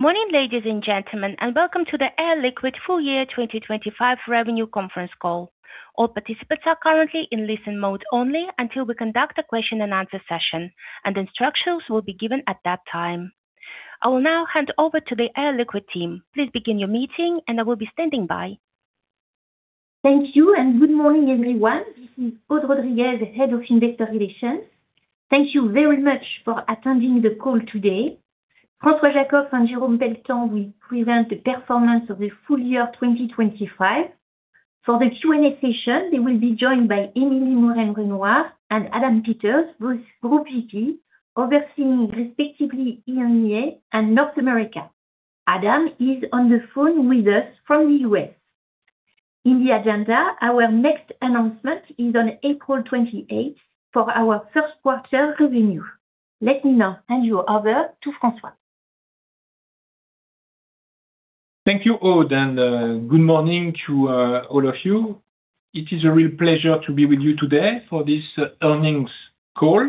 Morning, ladies and gentlemen, and welcome to the Air Liquide Full Year 2025 Revenue Conference Call. All participants are currently in listen mode only until we conduct a question and answer session, and instructions will be given at that time. I will now hand over to the Air Liquide team. Please begin your meeting, and I will be standing by. Thank you, and good morning, everyone. This is Aude Rodriguez, Head of Investor Relations. Thank you very much for attending the call today. François Jackow and Jérôme Pelletan will present the performance of the full year 2025. For the Q&A session, they will be joined by Émilie Mouren-Renouard and Adam Peters, both Group VP, overseeing respectively, EMEA and North America. Adam is on the phone with us from the U.S. In the agenda, our next announcement is on April 28 for our Q1 revenue. Let me now hand you over to François. Thank you, Aude, and good morning to all of you. It is a real pleasure to be with you today for this earnings call.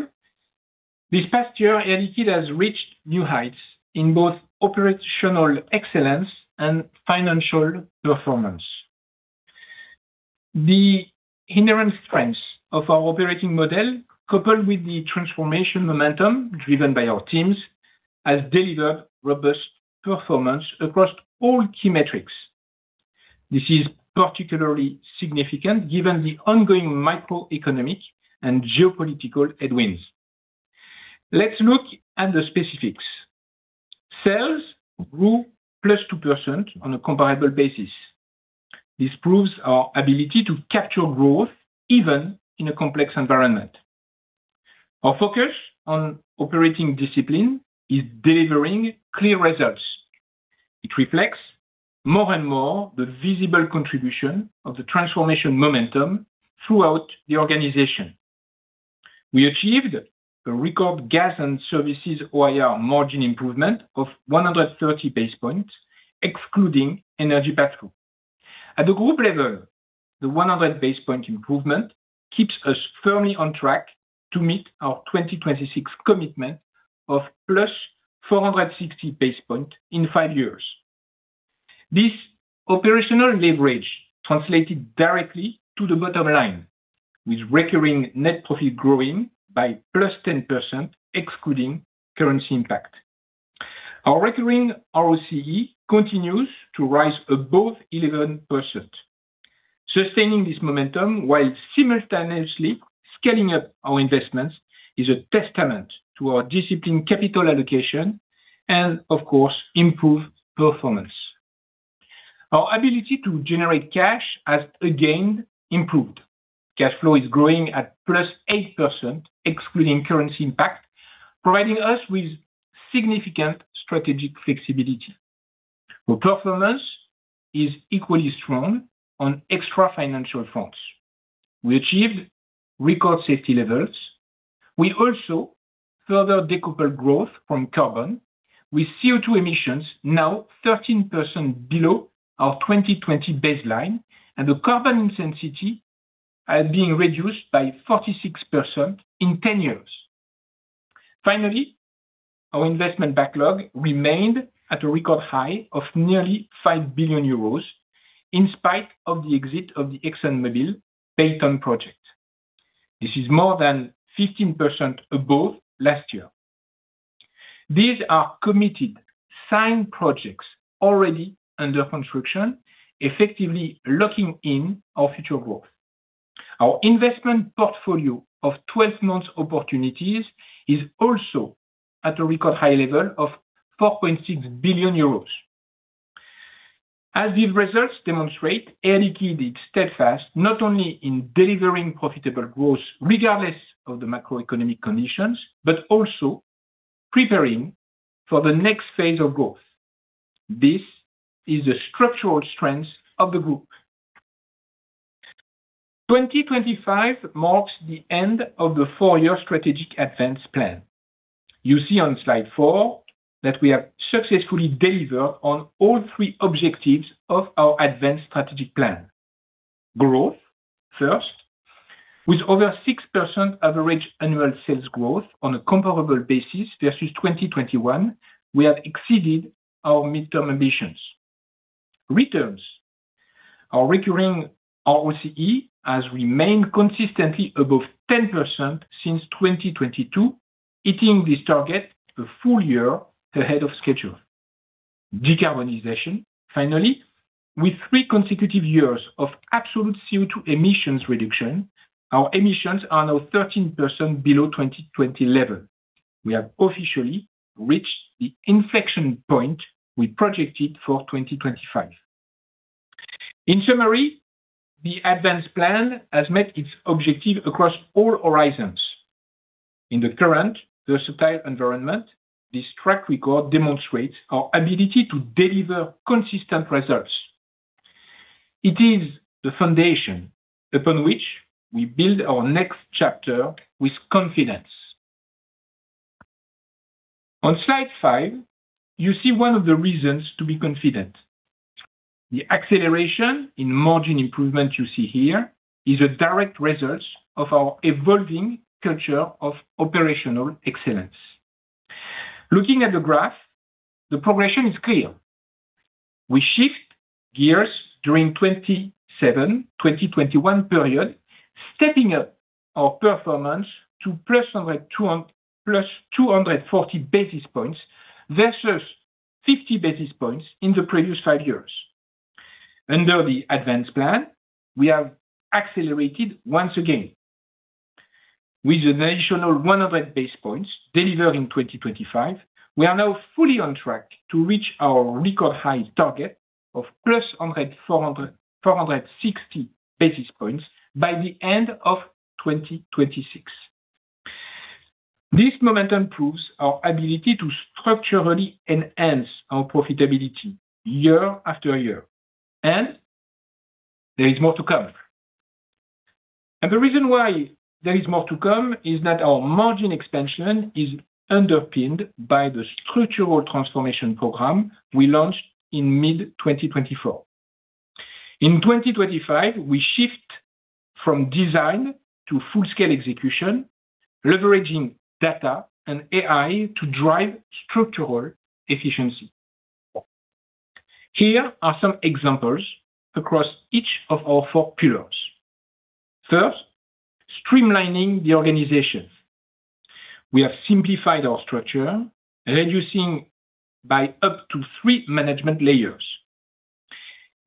This past year, Air Liquide has reached new heights in both operational excellence and financial performance. The inherent strengths of our operating model, coupled with the transformation momentum driven by our teams, has delivered robust performance across all key metrics. This is particularly significant given the ongoing macroeconomic and geopolitical headwinds. Let's look at the specifics. Sales grew +2% on a comparable basis. This proves our ability to capture growth even in a complex environment. Our focus on operating discipline is delivering clear results. It reflects more and more the visible contribution of the transformation momentum throughout the organization. We achieved a record Gas and Services OIR margin improvement of 130 basis points, excluding Energy Patrol. At the group level, the 100 basis point improvement keeps us firmly on track to meet our 2026 commitment of +460 basis points in five years. This operational leverage translated directly to the bottom line, with recurring net profit growing by +10%, excluding currency impact. Our recurring ROCE continues to rise above 11%. Sustaining this momentum while simultaneously scaling up our investments is a testament to our disciplined capital allocation and of course, improved performance. Our ability to generate cash has again improved. Cash flow is growing at +8%, excluding currency impact, providing us with significant strategic flexibility. Our performance is equally strong on extra-financial fronts. We achieved record safety levels. We also further decoupled growth from carbon, with CO2 emissions now 13% below our 2020 baseline and the carbon intensity has been reduced by 46% in 10 years. Finally, our investment backlog remained at a record high of nearly 5 billion euros, in spite of the exit of the ExxonMobil Baytown project. This is more than 15% above last year. These are committed signed projects already under construction, effectively locking in our future growth. Our investment portfolio of 12 months opportunities is also at a record high level of 4.6 billion euros. As these results demonstrate, Air Liquide is steadfast, not only in delivering profitable growth regardless of the macroeconomic conditions, but also preparing for the next phase of growth. This is the structural strength of the group. 2025 marks the end of the 4-year strategic ADVANCE plan. You see on slide four that we have successfully delivered on all three objectives of our advanced strategic plan. Growth, first, with over 6% average annual sales growth on a comparable basis versus 2021, we have exceeded our midterm ambitions. Returns. Our recurring ROCE has remained consistently above 10% since 2022, hitting this target a full year ahead of schedule. Decarbonization. Finally, with three consecutive years of absolute CO2 emissions reduction, our emissions are now 13% below 2020 level. We have officially reached the inflection point we projected for 2025. In summary, the ADVANCE plan has met its objective across all horizons. In the current volatile environment, this track record demonstrates our ability to deliver consistent results. It is the foundation upon which we build our next chapter with confidence. On slide five, you see one of the reasons to be confident. The acceleration in margin improvement you see here is a direct result of our evolving culture of operational excellence. Looking at the graph, the progression is clear. We shift gears during 2017-2021 period, stepping up our performance to +240 basis points, versus 50 basis points in the previous 5 years. Under the ADVANCE plan, we have accelerated once again. With an additional 100 basis points delivered in 2025, we are now fully on track to reach our record-high target of +460 basis points by the end of 2026. This momentum proves our ability to structurally enhance our profitability year after year, and there is more to come. The reason why there is more to come is that our margin expansion is underpinned by the structural transformation program we launched in mid-2024. In 2025, we shift from design to full-scale execution, leveraging data and AI to drive structural efficiency. Here are some examples across each of our four pillars. First, streamlining the organization. We have simplified our structure, reducing by up to 3 management layers.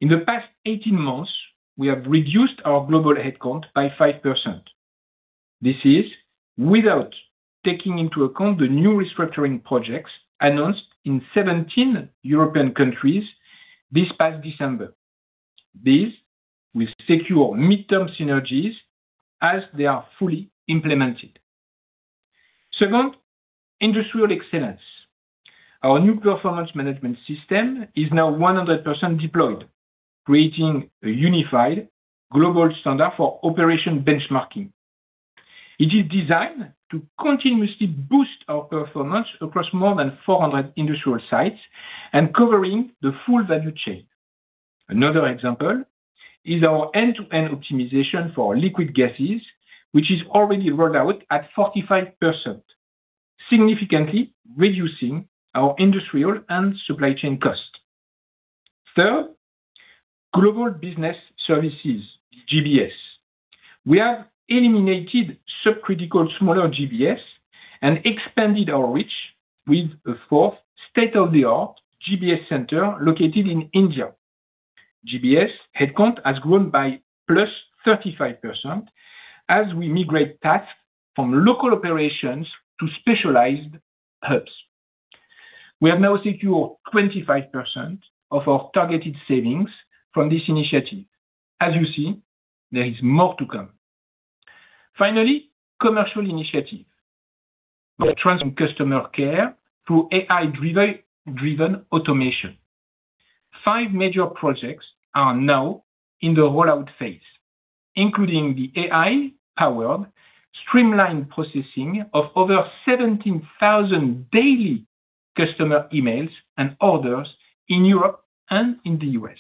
In the past 18 months, we have reduced our global headcount by 5%. This is without taking into account the new restructuring projects announced in 17 European countries this past December. These will secure mid-term synergies as they are fully implemented. Second, industrial excellence. Our new performance management system is now 100% deployed, creating a unified global standard for operational benchmarking. It is designed to continuously boost our performance across more than 400 industrial sites and covering the full value chain. Another example is our end-to-end optimization for liquid gases, which is already rolled out at 45%, significantly reducing our industrial and supply chain costs. Third, Global Business Services, GBS. We have eliminated subcritical smaller GBS and expanded our reach with a fourth state-of-the-art GBS center located in India. GBS headcount has grown by +35% as we migrate tasks from local operations to specialized hubs. We have now secured 25% of our targeted savings from this initiative. As you see, there is more to come. Finally, commercial initiative. We are transforming customer care through AI-driven automation. 5 major projects are now in the rollout phase, including the AI-powered, streamlined processing of over 17,000 daily customer emails and orders in Europe and in the US.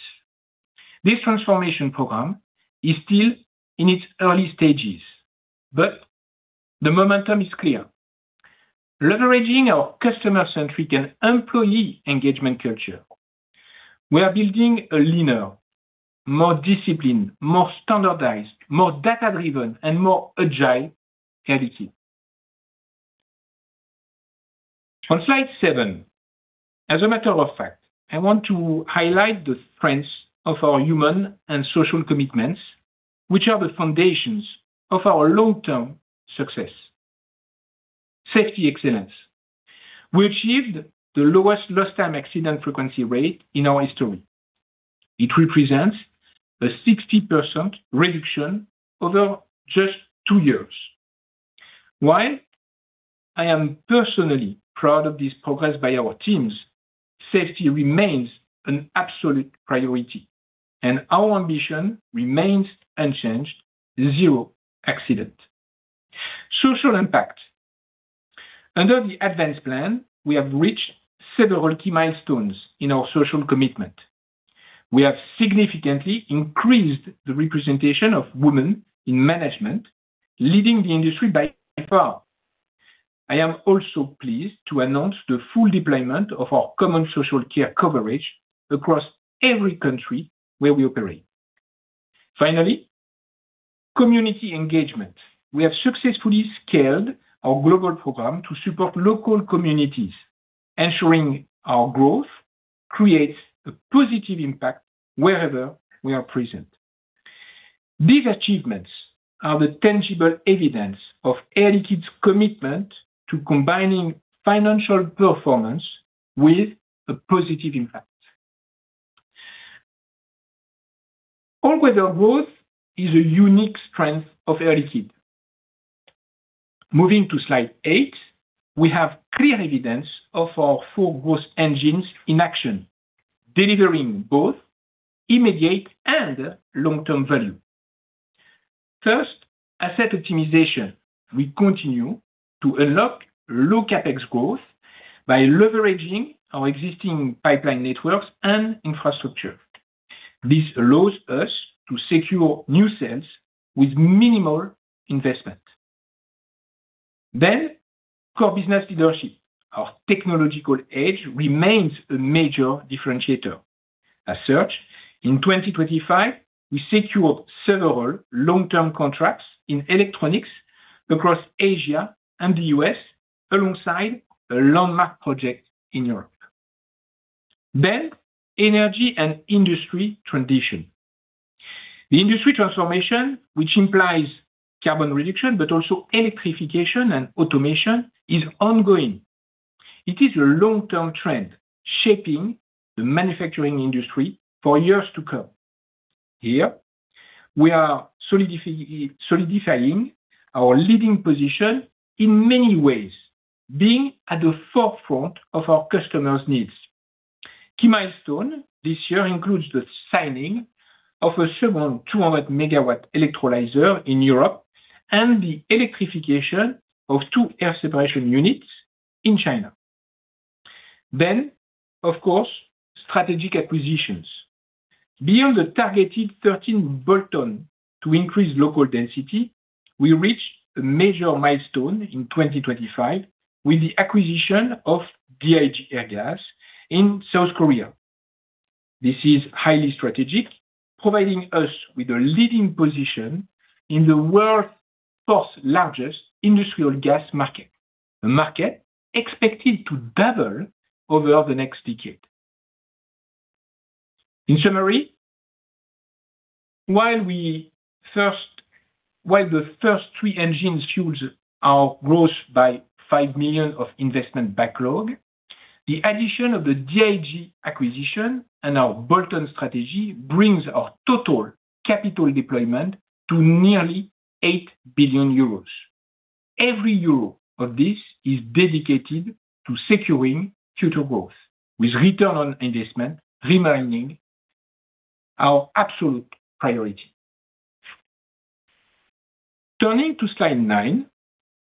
This transformation program is still in its early stages, but the momentum is clear. Leveraging our customer-centric and employee engagement culture, we are building a leaner, more disciplined, more standardized, more data-driven, and more agile Air Liquide. On slide seven, as a matter of fact, I want to highlight the strengths of our human and social commitments, which are the foundations of our long-term success. Safety excellence. We achieved the lowest lost time accident frequency rate in our history. It represents a 60% reduction over just two years. While I am personally proud of this progress by our teams, safety remains an absolute priority, and our ambition remains unchanged: zero accident. Social impact. Under the ADVANCE plan, we have reached several key milestones in our social commitment. We have significantly increased the representation of women in management, leading the industry by far. I am also pleased to announce the full deployment of our common social care coverage across every country where we operate. Finally, community engagement. We have successfully scaled our global program to support local communities, ensuring our growth creates a positive impact wherever we are present. These achievements are the tangible evidence of Air Liquide's commitment to combining financial performance with a positive impact. All-weather growth is a unique strength of Air Liquide. Moving to slide 8, we have clear evidence of our four growth engines in action, delivering both immediate and long-term value. First, asset optimization. We continue to unlock low CapEx growth by leveraging our existing pipeline networks and infrastructure. This allows us to secure new sales with minimal investment. Then, core business leadership. Our technological edge remains a major differentiator. As such, in 2025, we secured several long-term contracts in electronics across Asia and the U.S., alongside a landmark project in Europe. Then, energy and industry transition. The industry transformation, which implies carbon reduction, but also electrification and automation, is ongoing. It is a long-term trend shaping the manufacturing industry for years to come. Here, we are solidifying our leading position in many ways, being at the forefront of our customers' needs. Key milestone this year includes the signing of a second 200-megawatt electrolyzer in Europe and the electrification of two air separation units in China. Then, of course, strategic acquisitions. Beyond the targeted 13 bolt-on to increase local density, we reached a major milestone in 2025 with the acquisition of DIG Airgas in South Korea. This is highly strategic, providing us with a leading position in the world's fourth-largest industrial gas market, a market expected to double over the next decade. In summary, while the first three engines fueled our growth by 5 million of investment backlog, the addition of the DIG acquisition and our Bolton strategy brings our total capital deployment to nearly 8 billion euros. Every euro of this is dedicated to securing future growth, with return on investment remaining our absolute priority. Turning to slide 9,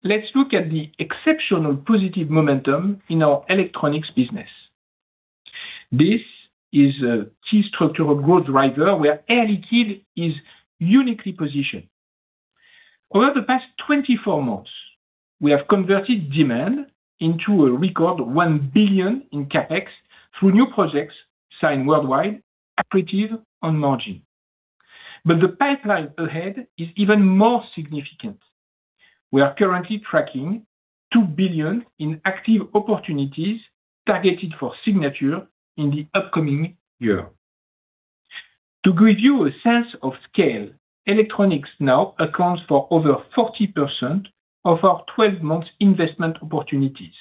let's look at the exceptional positive momentum in our electronics business. This is a key structural growth driver where Air Liquide is uniquely positioned. Over the past 24 months, we have converted demand into a record 1 billion in CapEx through new projects signed worldwide, accretive on margin. But the pipeline ahead is even more significant. We are currently tracking 2 billion in active opportunities targeted for signature in the upcoming year. To give you a sense of scale, electronics now accounts for over 40% of our 12-month investment opportunities,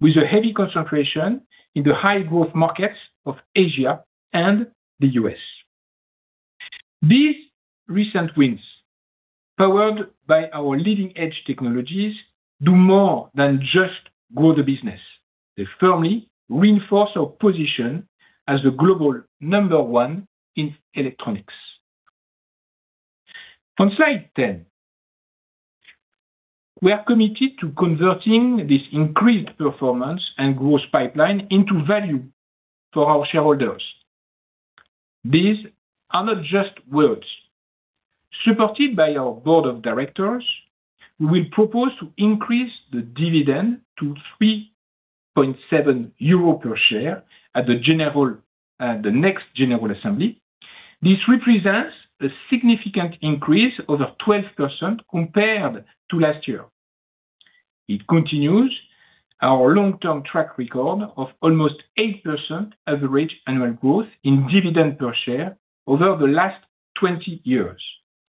with a heavy concentration in the high-growth markets of Asia and the US. These recent wins, powered by our leading-edge technologies, do more than just grow the business. They firmly reinforce our position as the global number one in electronics. On slide 10, we are committed to converting this increased performance and growth pipeline into value for our shareholders. These are not just words. Supported by our board of directors, we will propose to increase the dividend to 3.7 euro per share at the general, the next general assembly. This represents a significant increase over 12% compared to last year. It continues our long-term track record of almost 8% average annual growth in dividend per share over the last 20 years,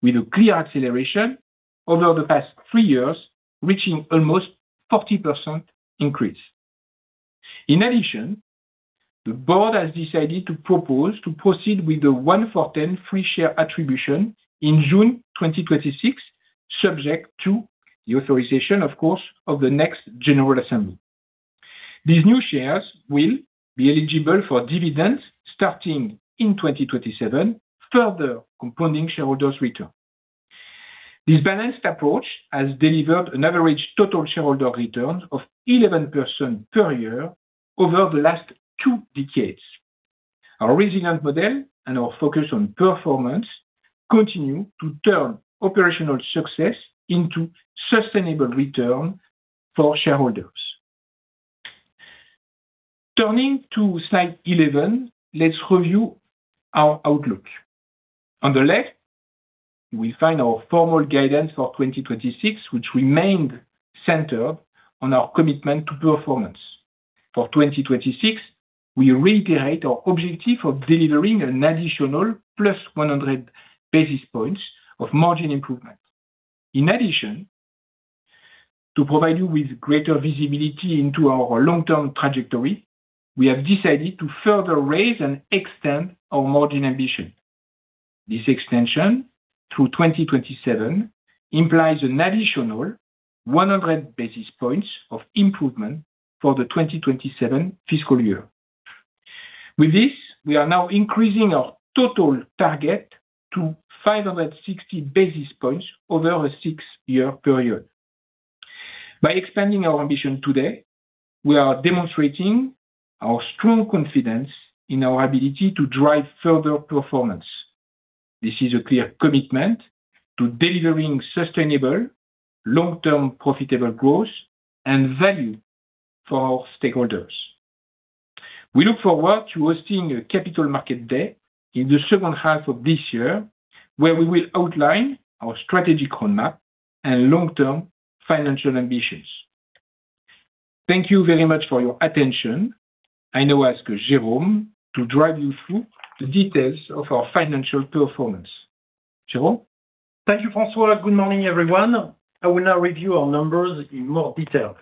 with a clear acceleration over the past 3 years, reaching almost 40% increase. In addition, the board has decided to propose to proceed with the 1-for-10 free share attribution in June 2026, subject to the authorization, of course, of the next general assembly. These new shares will be eligible for dividends starting in 2027, further compounding shareholders' return. This balanced approach has delivered an average total shareholder return of 11% per year over the last two decades. Our resilient model and our focus on performance continue to turn operational success into sustainable return for shareholders. Turning to slide 11, let's review our outlook. On the left, we find our formal guidance for 2026, which remained centered on our commitment to performance. For 2026, we reiterate our objective of delivering an additional +100 basis points of margin improvement. In addition, to provide you with greater visibility into our long-term trajectory, we have decided to further raise and extend our margin ambition. This extension to 2027 implies an additional +100 basis points of improvement for the 2027 fiscal year. With this, we are now increasing our total target to 560 basis points over a six-year period. By expanding our ambition today, we are demonstrating our strong confidence in our ability to drive further performance. This is a clear commitment to delivering sustainable, long-term, profitable growth and value for our stakeholders. We look forward to hosting a capital market day in the second half of this year, where we will outline our strategic roadmap and long-term financial ambitions. Thank you very much for your attention. I now ask Jérôme to drive you through the details of our financial performance. Jérôme? Thank you, François. Good morning, everyone. I will now review our numbers in more detail.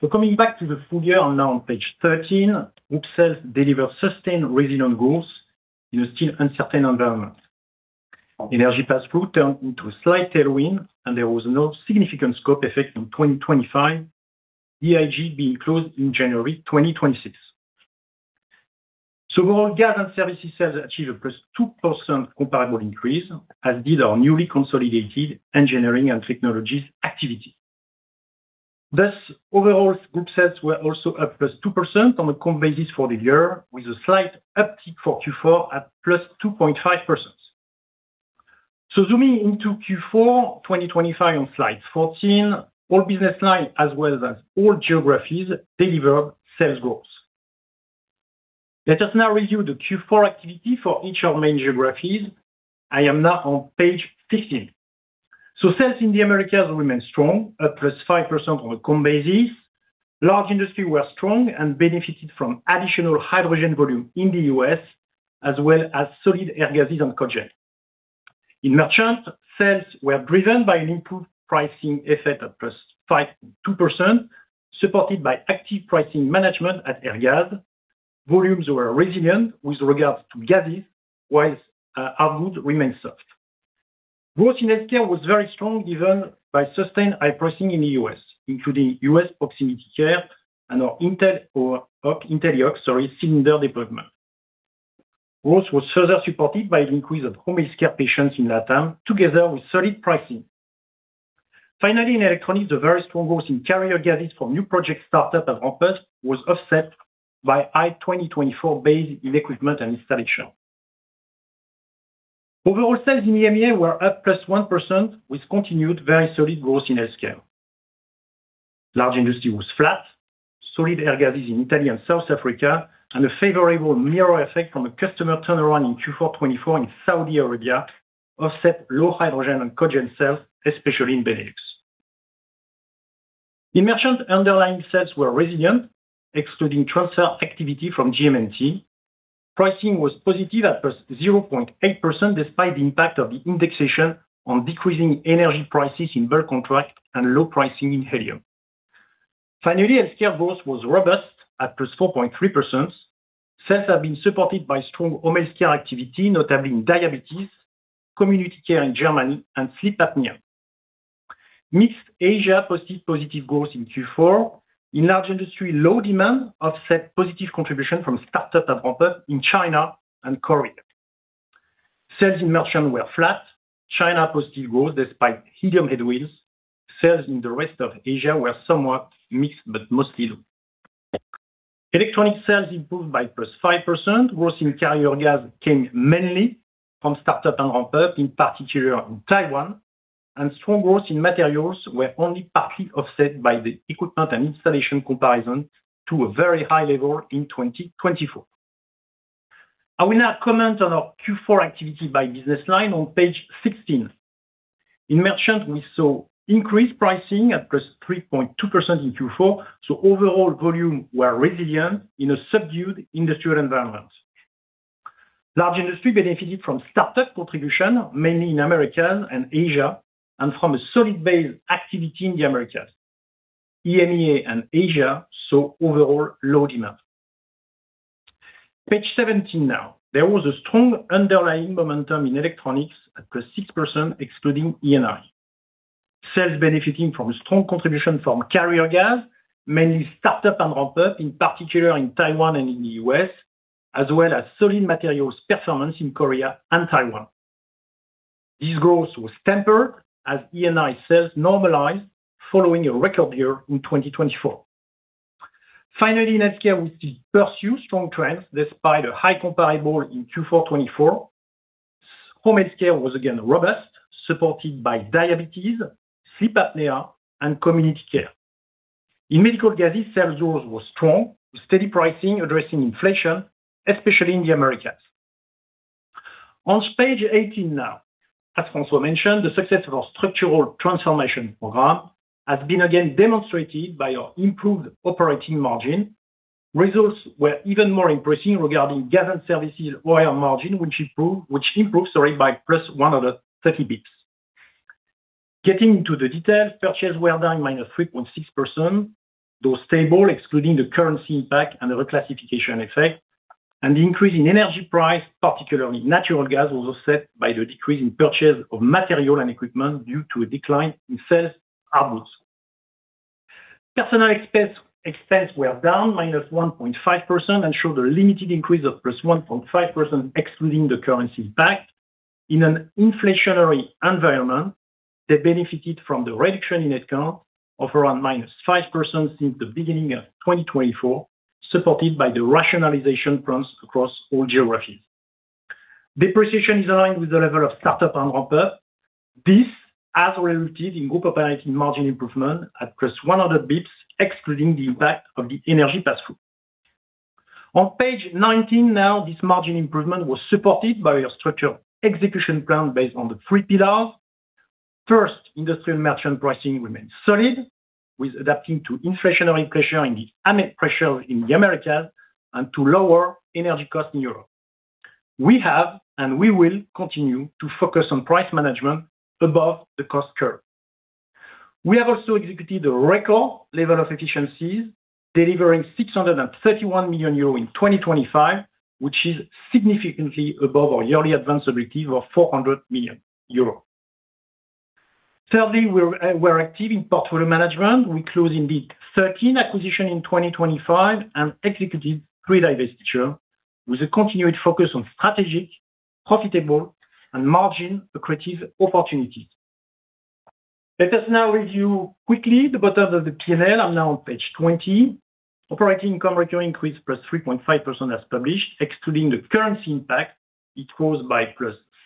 So coming back to the full year, now on page 13, group sales delivered sustained, resilient growth in a still uncertain environment. Energy pass-through turned into a slight tailwind, and there was no significant scope effect in 2025, the IG being closed in January 2026. So overall, gas and services sales achieved a +2% comparable increase, as did our newly consolidated engineering and technologies activity. Thus, overall, group sales were also up +2% on a comp basis for the year, with a slight uptick for Q4 at +2.5%. So zooming into Q4, 2025, on slide 14, all business lines as well as all geographies delivered sales growth. Let us now review the Q4 activity for each of our main geographies. I am now on page 15. So sales in the Americas remain strong, up +5% on a comp basis. Large industry were strong and benefited from additional hydrogen volume in the US, as well as solid air gases and cogen. In merchant, sales were driven by an improved pricing effect at +5.2%, supported by active pricing management at Airgas. Volumes were resilient with regards to gases, while output remains soft. Growth in healthcare was very strong, driven by sustained high pricing in the US, including US proximity care and our Intel or INTELLIOX, sorry, cylinder deployment. Growth was further supported by the increase of home healthcare patients in Latam, together with solid pricing. Finally, in electronics, the very strong growth in carrier gases for new project startup and ramp-up was offset by high 2024 base in equipment and installation. Overall sales in EMEA were up +1%, with continued very solid growth in healthcare. Large industry was flat, solid air gases in Italy and South Africa, and a favorable mirror effect from a customer turnaround in Q4 2024 in Saudi Arabia, offset low hydrogen and cogen sales, especially in Benelux. In merchant, underlying sales were resilient, excluding transfer activity from GM&T. Pricing was positive at +0.8%, despite the impact of the indexation on decreasing energy prices in bird contract and low pricing in helium. Finally, healthcare growth was robust at +4.3%. Sales have been supported by strong home healthcare activity, notably in diabetes, community care in Germany, and sleep apnea. Mixed Asia posted positive growth in Q4. In large industry, low demand offset positive contribution from startup and ramp-up in China and Korea. Sales in merchant were flat. China posted growth despite helium headwinds. Sales in the rest of Asia were somewhat mixed, but mostly low. Electronic sales improved by +5%. Growth in carrier gas came mainly from startup and ramp-up, in particular in Taiwan, and strong growth in materials were only partly offset by the equipment and installation comparison to a very high level in 2024. I will now comment on our Q4 activity by business line on page 16. In Merchant, we saw increased pricing at +3.2% in Q4, so overall volume were resilient in a subdued industrial environment. Large Industry benefited from startup contribution, mainly in America and Asia, and from a solid base activity in the Americas. EMEA and Asia saw overall low demand. Page 17 now. There was a strong underlying momentum in Electronics at +6%, excluding ENI. Sales benefiting from strong contribution from carrier gas, mainly startup and ramp-up, in particular in Taiwan and in the US, as well as solid materials performance in Korea and Taiwan. This growth was tempered as ENI sales normalized following a record year in 2024. Finally, in healthcare, we pursue strong trends despite a high comparable in Q4 2024. Home healthcare was again robust, supported by diabetes, sleep apnea, and community care. In medical gases, sales growth was strong, with steady pricing addressing inflation, especially in the Americas. On page 18 now, as François mentioned, the success of our structural transformation program has been again demonstrated by our improved operating margin. Results were even more impressive regarding gas and services OIR margin, which improved by plus 130 basis points. Getting into the details, purchases were down -3.6%, though stable, excluding the currency impact and the reclassification effect, and the increase in energy prices, particularly natural gas, was offset by the decrease in purchases of materials and equipment due to a decline in sales outputs. Personnel expenses were down -1.5% and showed a limited increase of +1.5%, excluding the currency impact. In an inflationary environment, they benefited from the reduction in headcount of around -5% since the beginning of 2024, supported by the rationalization plans across all geographies. Depreciation is aligned with the level of startup and ramp-up. This has resulted in group operating margin improvement at +100 basis points, excluding the impact of the energy pass-through. On page 19 now, this margin improvement was supported by a structured execution plan based on the three pillars. First, industrial merchant pricing remains solid, with adapting to inflationary pressure in the EMEA and pressure in the Americas and to lower energy costs in Europe. We have, and we will continue to focus on price management above the cost curve. We have also executed a record level of efficiencies, delivering 631 million euros in 2025, which is significantly above our yearly advanced objective of 400 million euros. Thirdly, we're, we're active in portfolio management. We closed indeed 13 acquisition in 2025 and executed 3 divestiture, with a continued focus on strategic, profitable and margin accretive opportunities. Let us now review quickly the bottom of the P&L. I'm now on page 20. Operating income recurring increased +3.5% as published. Excluding the currency impact, it grows by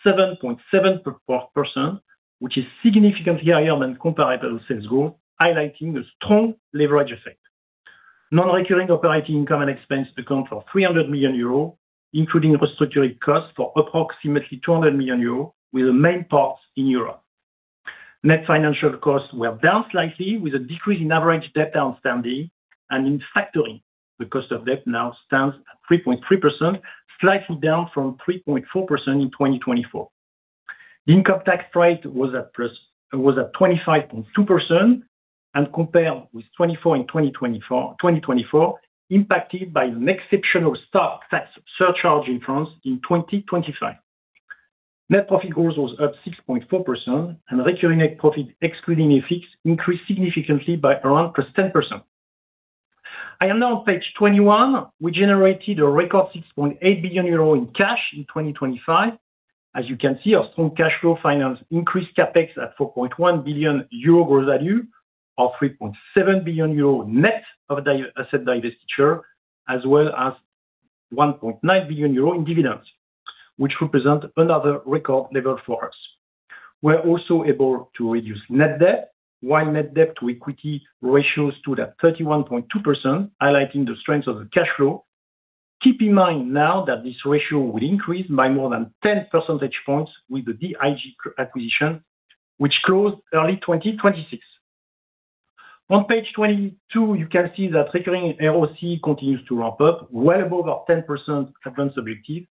+7.7%, which is significantly higher than comparable sales growth, highlighting the strong leverage effect. Non-recurring operating income and expense account for 300 million euros, including restructuring costs for approximately 200 million euros, with the main parts in Europe. Net financial costs were down slightly, with a decrease in average debt outstanding and in factory. The cost of debt now stands at 3.3%, slightly down from 3.4% in 2024. The income tax rate was at 25.2% compared with 24% in 2024, impacted by an exceptional stock tax surcharge in France in 2025. Net profit growth was up 6.4% and recurring net profit, excluding FX, increased significantly by around +10%. I am now on page 21. We generated a record 6.8 billion euro in cash in 2025. As you can see, our strong cash flow finance increased CapEx at 4.1 billion euro gross value, or 3.7 billion euro net of the asset divestiture, as well as 1.9 billion euro in dividends, which represent another record level for us. We're also able to reduce net debt, while net debt to equity ratio stood at 31.2%, highlighting the strength of the cash flow. Keep in mind now that this ratio will increase by more than 10 percentage points with the DIG acquisition, which closed early 2026. On page 22, you can see that recurring ROC continues to ramp up, well above our 10% advance objective,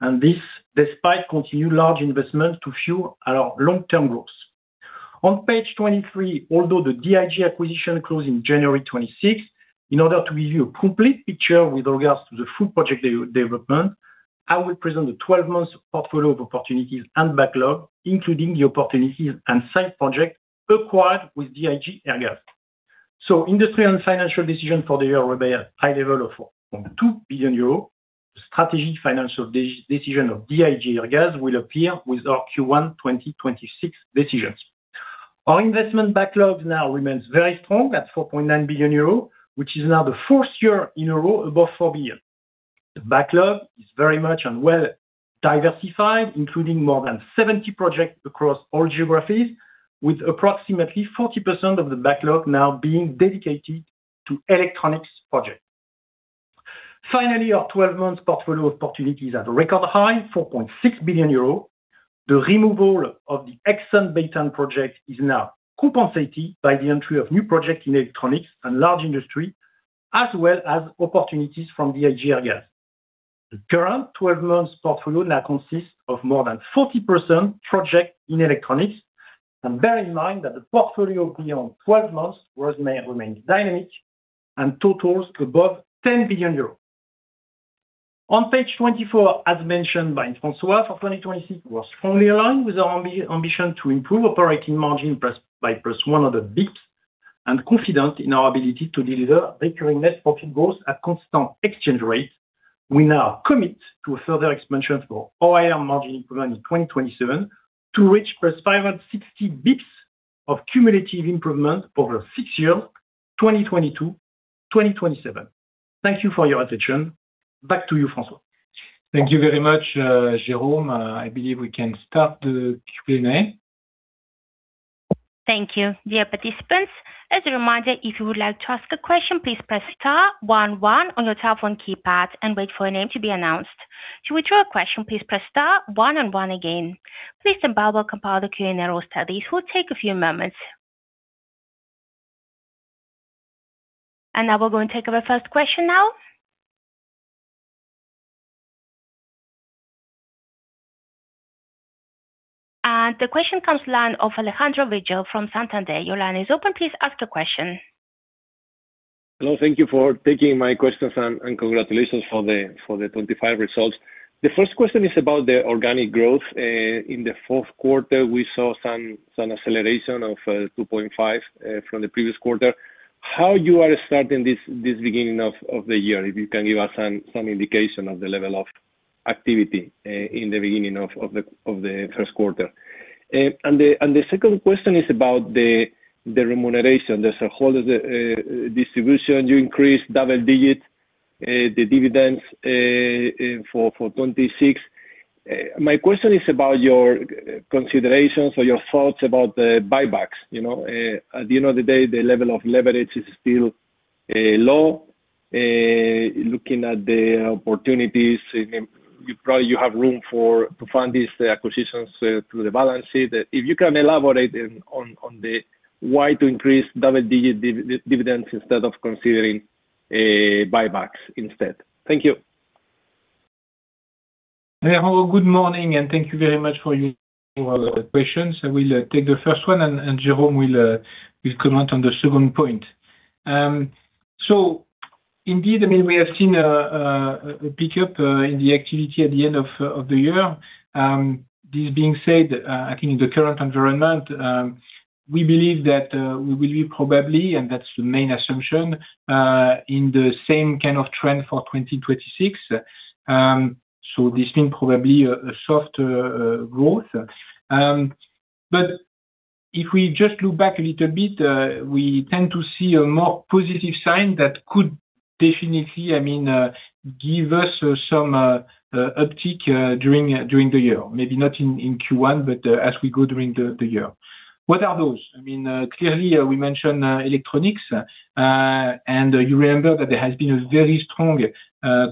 and this despite continued large investments to fuel our long-term growth. On page 23, although the DIG acquisition closed in January 2026, in order to give you a complete picture with regards to the full project development, I will present the 12-month portfolio of opportunities and backlog, including the opportunities and site projects acquired with DIG Airgas. Industrial and financial decisions for the year were at a high level of 2 billion euros. Strategic financial decision of DIG Airgas will appear with our Q1 2026 decisions. Our investment backlog now remains very strong at 4.9 billion euro, which is now the fourth year in a row above 4 billion. The backlog is very much and well diversified, including more than 70 projects across all geographies, with approximately 40% of the backlog now being dedicated to electronics projects. Finally, our 12-month portfolio opportunity is at a record high, 4.6 billion euros. The removal of the Exxon Baytown project is now compensated by the entry of new projects in electronics and large industry, as well as opportunities from the DIG Airgas. The current twelve months portfolio now consists of more than 40% projects in electronics. And bear in mind that the portfolio beyond twelve months was, remains dynamic and totals above 10 billion euros. On page 24, as mentioned by François, for 2026, we are strongly aligned with our ambition to improve operating margin plus by +100 basis points and confident in our ability to deliver recurring net profit growth at constant exchange rate. We now commit to a further expansion for OIM margin improvement in 2027 to reach +560 basis points of cumulative improvement over six years, 2022-2027. Thank you for your attention. Back to you, François. Thank you very much, Jérôme. I believe we can start the Q&A. Thank you. Dear participants, as a reminder, if you would like to ask a question, please press star one one on your telephone keypad and wait for your name to be announced. To withdraw a question, please press star one and one again. Please stand by while we compile the Q&A study. This will take a few moments. And now we're going to take our first question now. And the question comes line of Alejandro Vigil from Santander. Your line is open. Please ask the question. Hello, thank you for taking my questions, and congratulations for the 25 results. The first question is about the organic growth. In the Q4, we saw some acceleration of 2.5 from the previous quarter. How you are starting this beginning of the year? If you can give us some indication of the level of activity in the beginning of the Q1. And the second question is about the remuneration. There's a whole distribution. You increase double digit the dividends for 26. My question is about your considerations or your thoughts about the buybacks. You know, at the end of the day, the level of leverage is still low. Looking at the opportunities, you probably have room for to fund these acquisitions through the balance sheet. If you can elaborate on the why to increase double-digit dividends instead of considering buybacks instead. Thank you. Hey, hello, good morning, and thank you very much for your questions. I will take the first one, and Jérôme will comment on the second point. So indeed, I mean, we have seen a pickup in the activity at the end of the year. This being said, I think in the current environment, we believe that we will be probably, and that's the main assumption, in the same kind of trend for 2026. So this being probably a soft growth. But if we just look back a little bit, we tend to see a more positive sign that could definitely, I mean, give us some uptick during the year. Maybe not in Q1, but as we go during the year. What are those? I mean, clearly, we mentioned, electronics, and you remember that there has been a very strong,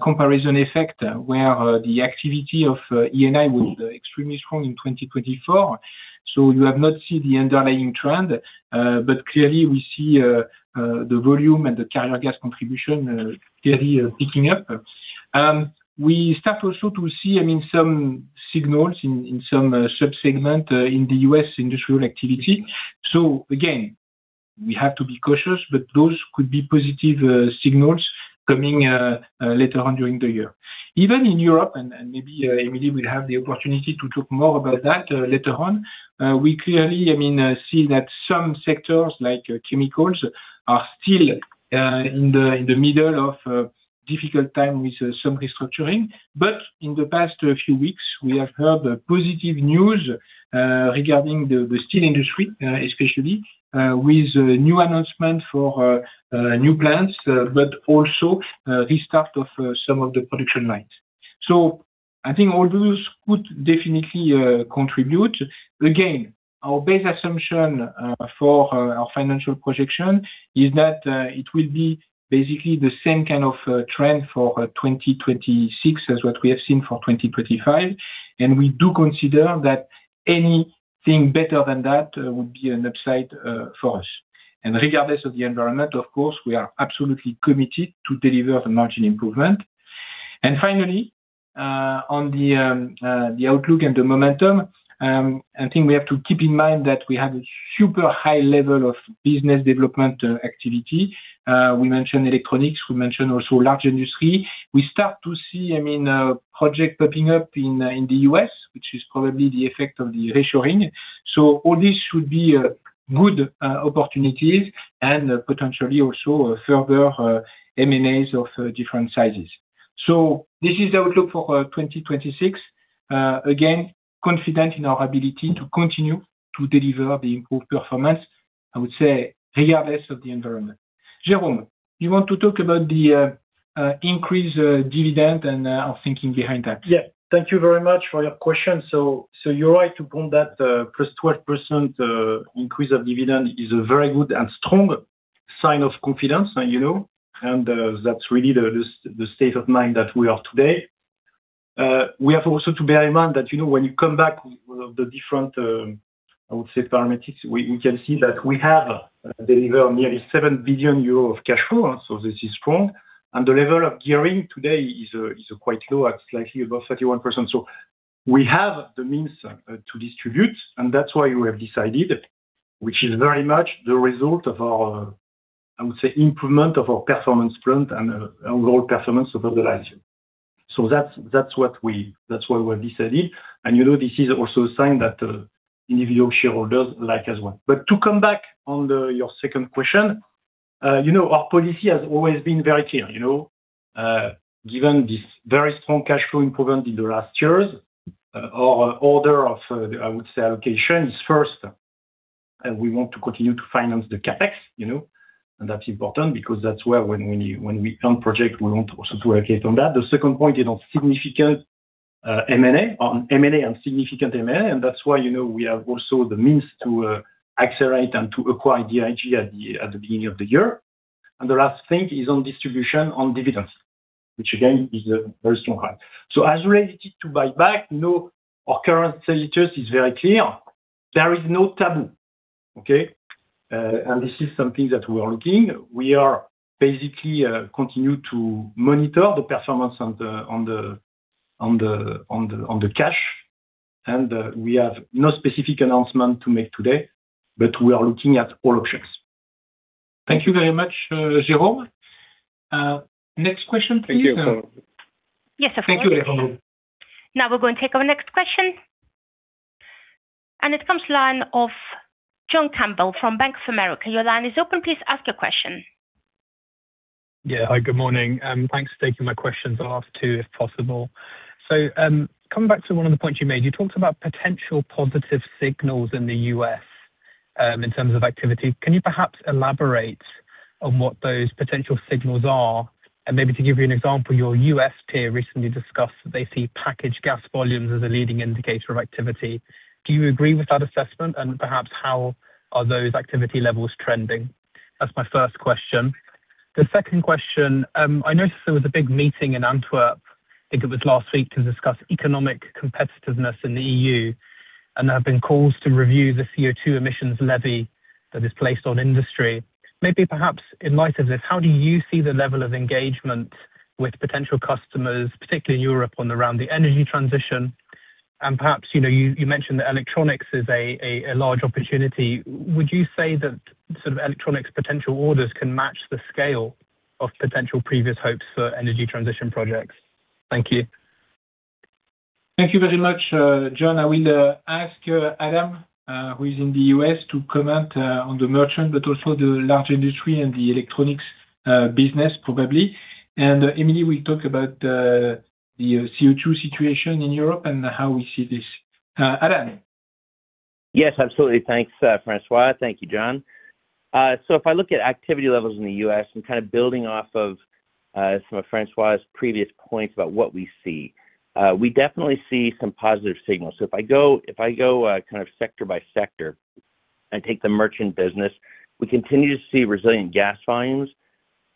comparison effect, where, the activity of, ENI was extremely strong in 2024. So you have not seen the underlying trend, but clearly we see, the volume and the carrier gas contribution, clearly picking up. We start also to see, I mean, some signals in some, sub-segment, in the U.S. industrial activity. So again, we have to be cautious, but those could be positive, signals coming, later on during the year. Even in Europe, and maybe, Émilie will have the opportunity to talk more about that, later on, we clearly, I mean, see that some sectors, like chemicals, are still, in the middle of a difficult time with some restructuring. But in the past few weeks, we have heard positive news, regarding the steel industry, especially, with new announcement for new plants, but also, the start of some of the production lines. So I think all those could definitely, contribute. Again, our base assumption, for our financial projection is that, it will be basically the same kind of, trend for 2026 as what we have seen for 2025, and we do consider that anything better than that would be an upside, for us. And regardless of the environment, of course, we are absolutely committed to deliver the margin improvement. And finally, on the outlook and the momentum, I think we have to keep in mind that we have a super high level of business development activity. We mentioned Electronics, we mentioned also Large Industry. We start to see, I mean, projects popping up in the U.S., which is probably the effect of the reshoring. So all this should be good opportunities and potentially also further M&As of different sizes. So this is the outlook for 2026. Again, confident in our ability to continue to deliver the improved performance, I would say, regardless of the environment. Jérôme, you want to talk about the increased dividend and our thinking behind that? Yeah. Thank you very much for your question. So, you're right to point that, +12% increase of dividend is a very good and strong sign of confidence, you know, and, that's really the state of mind that we are today. We have also to bear in mind that, you know, when you come back with the different, I would say, parametrics, we can see that we have delivered nearly 7 billion euros of cash flow, so this is strong. And the level of gearing today is quite low, at slightly above 31%. So we have the means to distribute, and that's why we have decided, which is very much the result of our, I would say, improvement of our performance trend and overall performance over the last year. So that's what we. That's why we decided, and, you know, this is also a sign that individual shareholders like as well. But to come back on the, your second question, you know, our policy has always been very clear, you know. Given this very strong cash flow improvement in the last years, our order of, I would say, allocations, first, and we want to continue to finance the CapEx, you know. And that's important because that's where when we earn project, we want also to allocate on that. The second point is on significant, M&A, on M&A and significant M&A, and that's why, you know, we have also the means to, accelerate and to acquire DIG at the beginning of the year. And the last thing is on distribution on dividends, which again, is a very strong one. So as related to buyback, you know, our current status is very clear. There is no taboo, okay? And this is something that we are looking. We are basically, continue to monitor the performance on the cash.... and, we have no specific announcement to make today, but we are looking at all options. Thank you very much, Jérôme. Next question, please. Thank you. Yes, of course. Thank you, Émilie. Now we're going to take our next question, and it comes from the line of John Campbell from Bank of America. Your line is open. Please ask your question. Yeah. Hi, good morning. Thanks for taking my questions. I'll ask two, if possible. So, coming back to one of the points you made, you talked about potential positive signals in the U.S., in terms of activity. Can you perhaps elaborate on what those potential signals are? And maybe to give you an example, your U.S. tier recently discussed that they see packaged gas volumes as a leading indicator of activity. Do you agree with that assessment? And perhaps, how are those activity levels trending? That's my first question. The second question, I noticed there was a big meeting in Antwerp, I think it was last week, to discuss economic competitiveness in the E.U., and there have been calls to review the CO2 emissions levy that is placed on industry. Maybe perhaps in light of this, how do you see the level of engagement with potential customers, particularly Europe, on around the energy transition? And perhaps, you know, you mentioned that electronics is a large opportunity. Would you say that sort of electronics potential orders can match the scale of potential previous hopes for energy transition projects? Thank you. Thank you very much, John. I will ask Adam, who is in the U.S., to comment on the merchant, but also the large industry and the electronics business, probably. Émilie will talk about the CO2 situation in Europe and how we see this. Adam? Yes, absolutely. Thanks, François. Thank you, John. So if I look at activity levels in the U.S. and kind of building off of some of François's previous points about what we see, we definitely see some positive signals. So if I go kind of sector by sector and take the merchant business, we continue to see resilient gas volumes,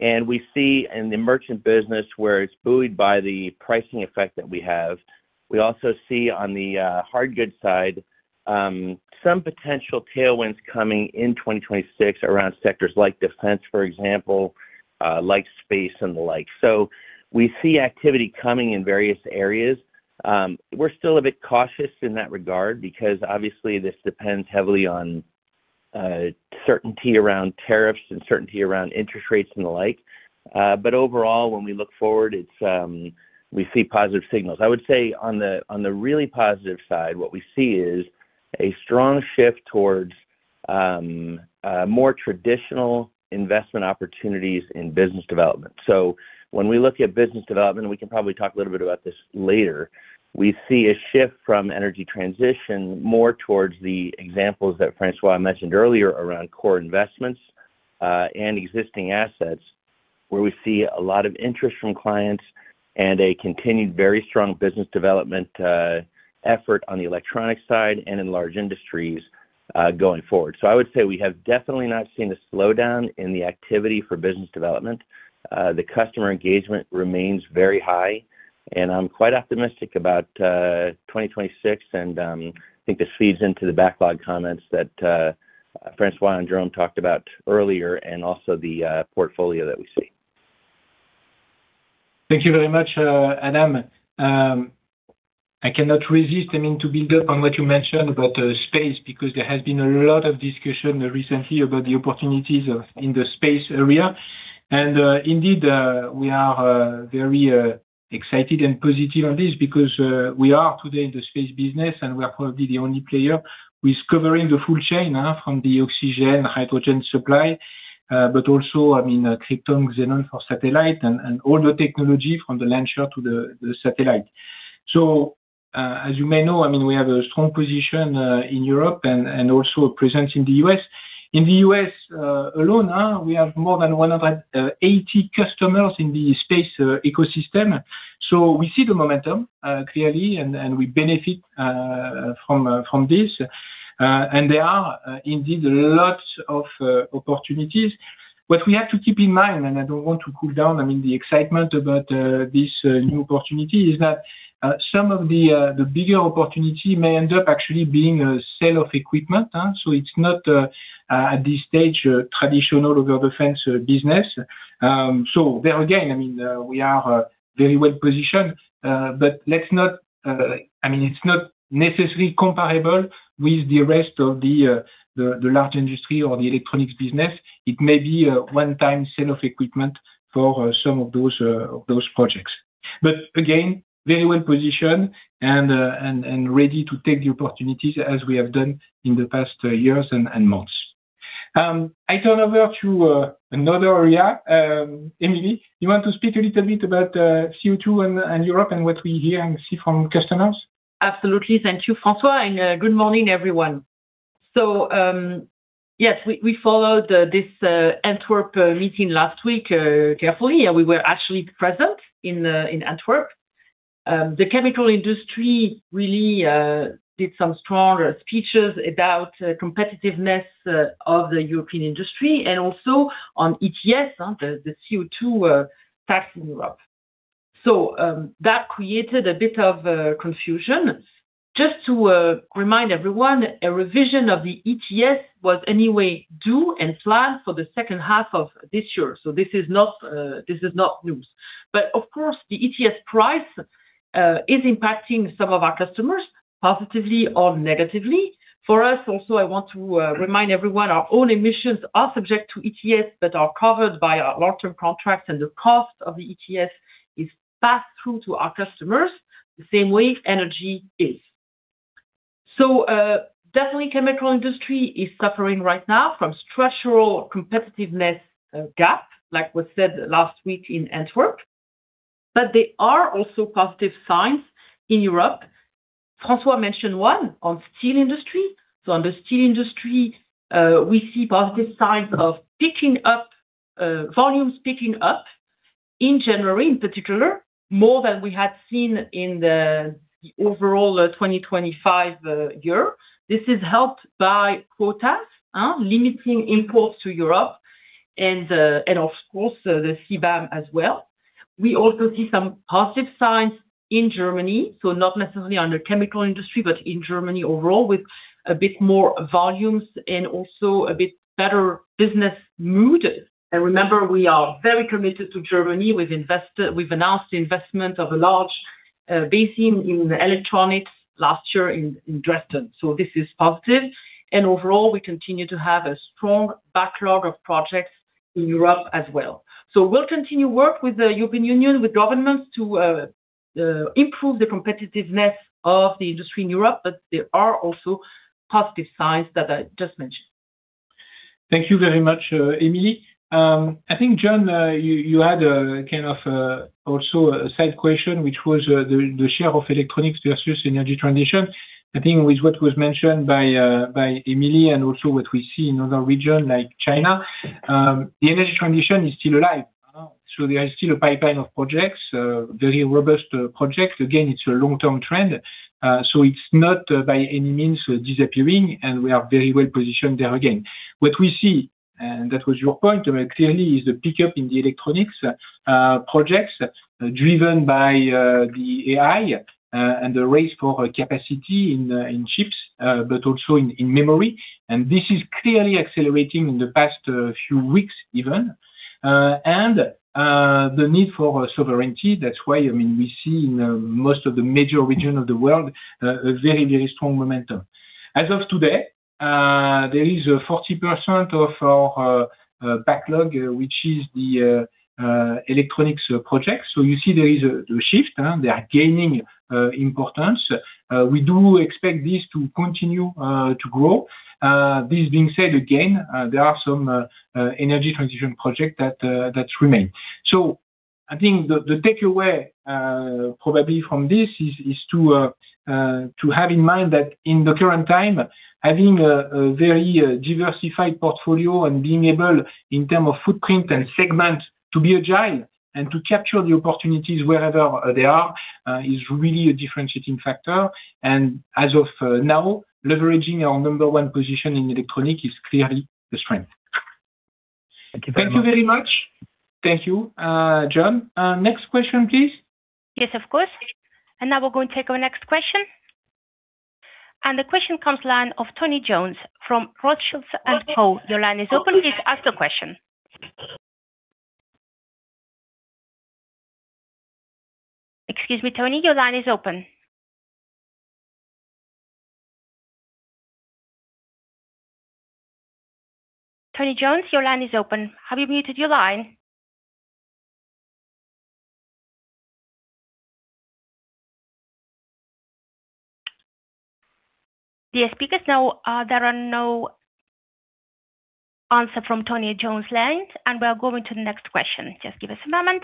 and we see in the merchant business where it's buoyed by the pricing effect that we have. We also see on the hard goods side some potential tailwinds coming in 2026 around sectors like defense, for example, like space and the like. So we see activity coming in various areas. We're still a bit cautious in that regard because obviously this depends heavily on certainty around tariffs and certainty around interest rates and the like. But overall, when we look forward, it's we see positive signals. I would say on the, on the really positive side, what we see is a strong shift towards more traditional investment opportunities in business development. So when we look at business development, we can probably talk a little bit about this later, we see a shift from energy transition more towards the examples that François mentioned earlier around core investments and existing assets, where we see a lot of interest from clients and a continued very strong business development effort on the electronic side and in Large Industries going forward. So I would say we have definitely not seen a slowdown in the activity for business development. The customer engagement remains very high, and I'm quite optimistic about 2026, and I think this feeds into the backlog comments that François and Jérôme talked about earlier, and also the portfolio that we see. Thank you very much, Adam. I cannot resist, I mean, to build up on what you mentioned about space, because there has been a lot of discussion recently about the opportunities of, in the space area. And, indeed, we are very excited and positive on this because we are today in the space business, and we are probably the only player who is covering the full chain from the oxygen, hydrogen supply, but also, I mean, krypton, xenon for satellite and all the technology from the launcher to the satellite. So, as you may know, I mean, we have a strong position in Europe and also a presence in the U.S. In the U.S. alone, we have more than 180 customers in the space ecosystem. So we see the momentum clearly, and, and we benefit from this. And there are indeed lots of opportunities. What we have to keep in mind, and I don't want to cool down, I mean, the excitement about this new opportunity, is that some of the bigger opportunity may end up actually being a sale of equipment, so it's not at this stage, a traditional over the fence business. So there again, I mean, we are very well positioned, but let's not... I mean, it's not necessarily comparable with the rest of the large industry or the electronics business. It may be a one-time sale of equipment for some of those projects. But again, very well positioned and ready to take the opportunities as we have done in the past years and months. I turn over to another area. Émilie, you want to speak a little bit about CO2 and Europe and what we hear and see from customers? Absolutely. Thank you, François, and good morning, everyone. So, yes, we followed this Antwerp meeting last week carefully. We were actually present in Antwerp. The chemical industry really did some strong speeches about competitiveness of the European industry and also on ETS, the CO2 tax in Europe. So, that created a bit of confusion. Just to remind everyone, a revision of the ETS was anyway due and planned for the second half of this year. So this is not news. But of course, the ETS price is impacting some of our customers, positively or negatively. For us, also, I want to remind everyone, our own emissions are subject to ETS that are covered by our long-term contracts, and the cost of the ETS is passed through to our customers, the same way energy is. So, definitely, chemical industry is suffering right now from structural competitiveness gap, like was said last week in Antwerp, but there are also positive signs in Europe. François mentioned one on steel industry. So on the steel industry, we see positive signs of picking up volumes picking up in January, in particular, more than we had seen in the overall 2025 year. This is helped by quotas limiting imports to Europe and, of course, the CBAM as well. We also see some positive signs in Germany, not necessarily on the chemical industry, but in Germany overall, with a bit more volumes and also a bit better business mood. Remember, we are very committed to Germany. We've announced the investment of a large basin in electronics last year in Dresden. This is positive, and overall, we continue to have a strong backlog of projects in Europe as well. We'll continue to work with the European Union, with governments to improve the competitiveness of the industry in Europe, but there are also positive signs that I just mentioned. Thank you very much, Émilie. I think, John, you had a kind of also a side question, which was the share of electronics versus energy transition. I think with what was mentioned by Émilie and also what we see in other region like China, the energy transition is still alive. So there is still a pipeline of projects, very robust projects. Again, it's a long-term trend, so it's not by any means disappearing, and we are very well positioned there again. What we see, and that was your point, clearly, is the pickup in the electronics projects driven by the AI and the race for capacity in chips, but also in memory. And this is clearly accelerating in the past few weeks even. And the need for sovereignty. That's why, I mean, we see in most of the major region of the world, a very, very strong momentum. As of today, there is 40% of our backlog, which is the electronics project. So you see there is a shift, they are gaining importance. We do expect this to continue to grow. This being said, again, there are some energy transition project that remain. So I think the takeaway probably from this is to have in mind that in the current time, having a very diversified portfolio and being able, in term of footprint and segment, to be agile and to capture the opportunities wherever they are, is really a differentiating factor. As of now, leveraging our number one position in electronics is clearly the strength. Thank you very much. Thank you very much. Thank you, John. Next question, please. Yes, of course. And now we're going to take our next question. And the question comes line of Tony Jones from Rothschild & Co. Your line is open. Please ask your question. Excuse me, Tony, your line is open. Tony Jones, your line is open. Have you muted your line? Dear speakers, now, there are no answer from Tony Jones line, and we are going to the next question. Just give us a moment.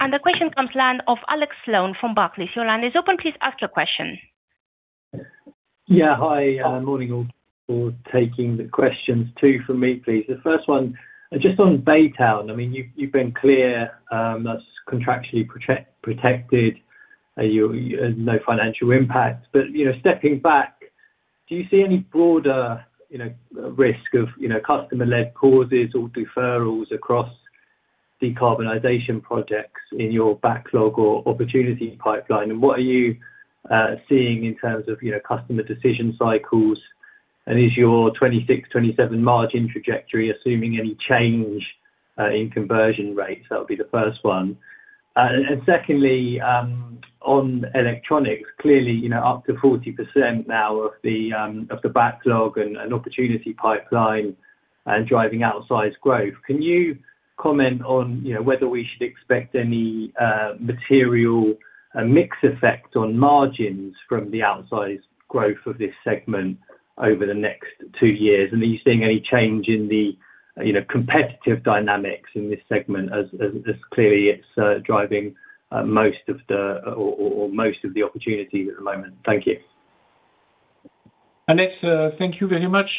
And the question comes line of Alex Sloane from Barclays. Your line is open. Please ask your question. Yeah. Hi, morning all, for taking the questions. Two for me, please. The first one, just on Baytown. I mean, you've been clear, that's contractually protected, no financial impact. But, you know, stepping back, do you see any broader, you know, risk of, you know, customer-led causes or deferrals across decarbonization projects in your backlog or opportunity pipeline? And what are you seeing in terms of, you know, customer decision cycles? And is your 2026, 2027 margin trajectory assuming any change, in conversion rates? That would be the first one. And secondly, on electronics, clearly, you know, up to 40% now of the, of the backlog and, and opportunity pipeline, driving outsized growth. Can you comment on, you know, whether we should expect any, material, mix effect on margins from the outsized growth of this segment over the next two years? And are you seeing any change in the, you know, competitive dynamics in this segment? As, clearly it's, driving, most of the opportunities at the moment. Thank you. Alex, thank you very much.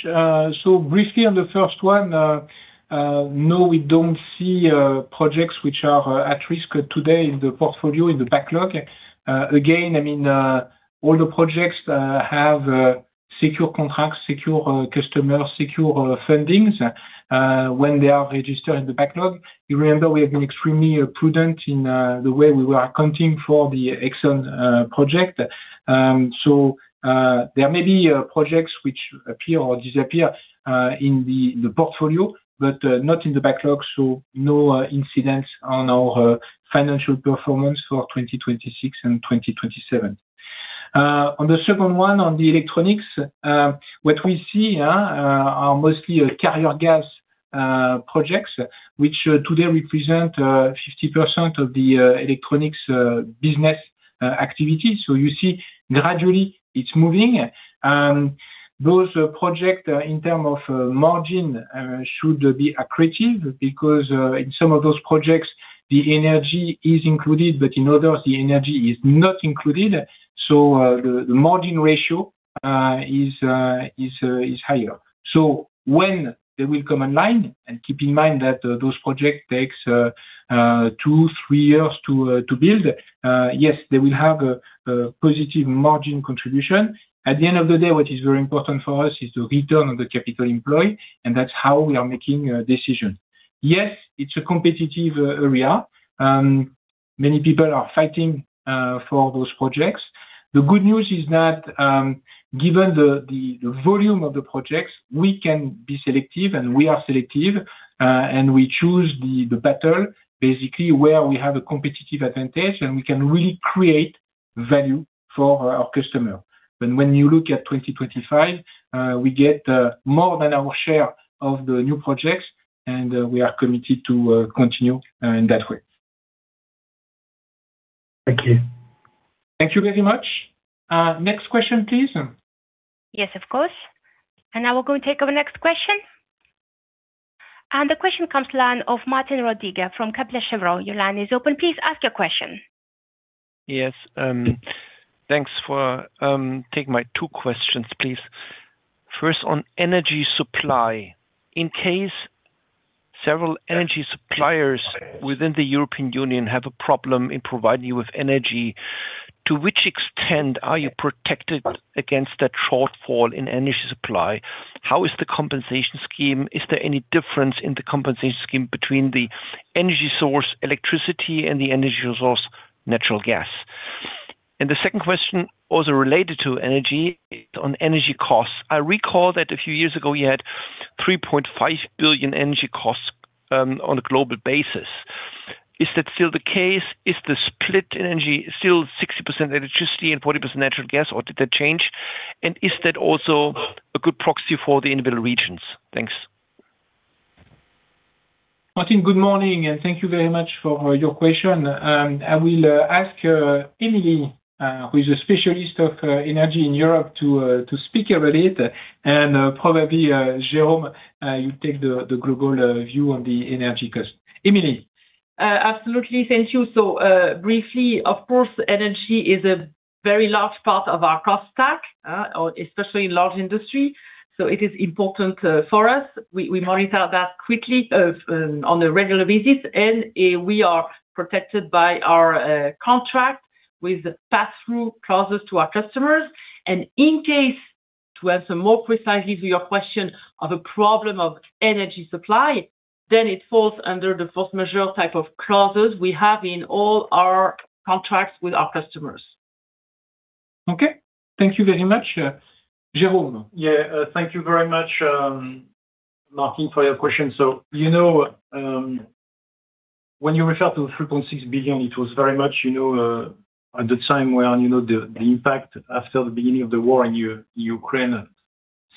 So briefly on the first one, no, we don't see projects which are at risk today in the portfolio, in the backlog. Again, I mean, all the projects have secure contracts, secure customers, secure fundings, when they are registered in the backlog. You remember we have been extremely prudent in the way we were accounting for the Exxon project. So, there may be projects which appear or disappear in the portfolio, but not in the backlog, so no incidents on our financial performance for 2026 and 2027. On the second one, on the electronics, what we see are mostly carrier gas projects, which today represent 50% of the electronics business activity. So you see gradually it's moving. Those projects, in terms of margin, should be accretive because in some of those projects, the energy is included, but in others, the energy is not included. So the margin ratio is higher. So when they will come online, and keep in mind that those projects takes 2, 3 years to build, yes, they will have a positive margin contribution. At the end of the day, what is very important for us is the return on the capital employed, and that's how we are making a decision. Yes, it's a competitive area. Many people are fighting for those projects. The good news is that, given the volume of the projects, we can be selective, and we are selective, and we choose the better, basically where we have a competitive advantage, and we can really create value for our customer. But when you look at 2025, we get more than our share of the new projects, and we are committed to continue in that way. Thank you. Thank you very much. Next question, please. Yes, of course. Now we're going to take our next question. The question comes from the line of Martin Roediger from Capital Chevron. Your line is open. Please ask your question. Yes, thanks for taking my two questions, please. First, on energy supply, in case several energy suppliers within the European Union have a problem in providing you with energy, to which extent are you protected against that shortfall in energy supply? How is the compensation scheme? Is there any difference in the compensation scheme between the energy source, electricity, and the energy source, natural gas? And the second question, also related to energy, on energy costs. I recall that a few years ago, you had 3.5 billion energy costs on a global basis. Is that still the case? Is the split in energy still 60% electricity and 40% natural gas, or did that change? And is that also a good proxy for the individual regions? Thanks. Martin, good morning, and thank you very much for your question. I will ask Émilie, who is a specialist of energy in Europe, to speak about it, and probably Jérôme, you take the global view on the energy cost. Émilie? Absolutely. Thank you. So, briefly, of course, energy is a very large part of our cost stack, especially in Large Industry, so it is important for us. We, we monitor that quickly on a regular basis, and we are protected by our contract with pass-through clauses to our customers. In case, to answer more precisely to your question, of a problem of energy supply, then it falls under the force majeure type of clauses we have in all our contracts with our customers. Okay. Thank you very much. Jérôme? Yeah, thank you very much, Martin, for your question. So, you know, when you refer to 3.6 billion, it was very much, you know, at the time when, you know, the impact after the beginning of the war in Ukraine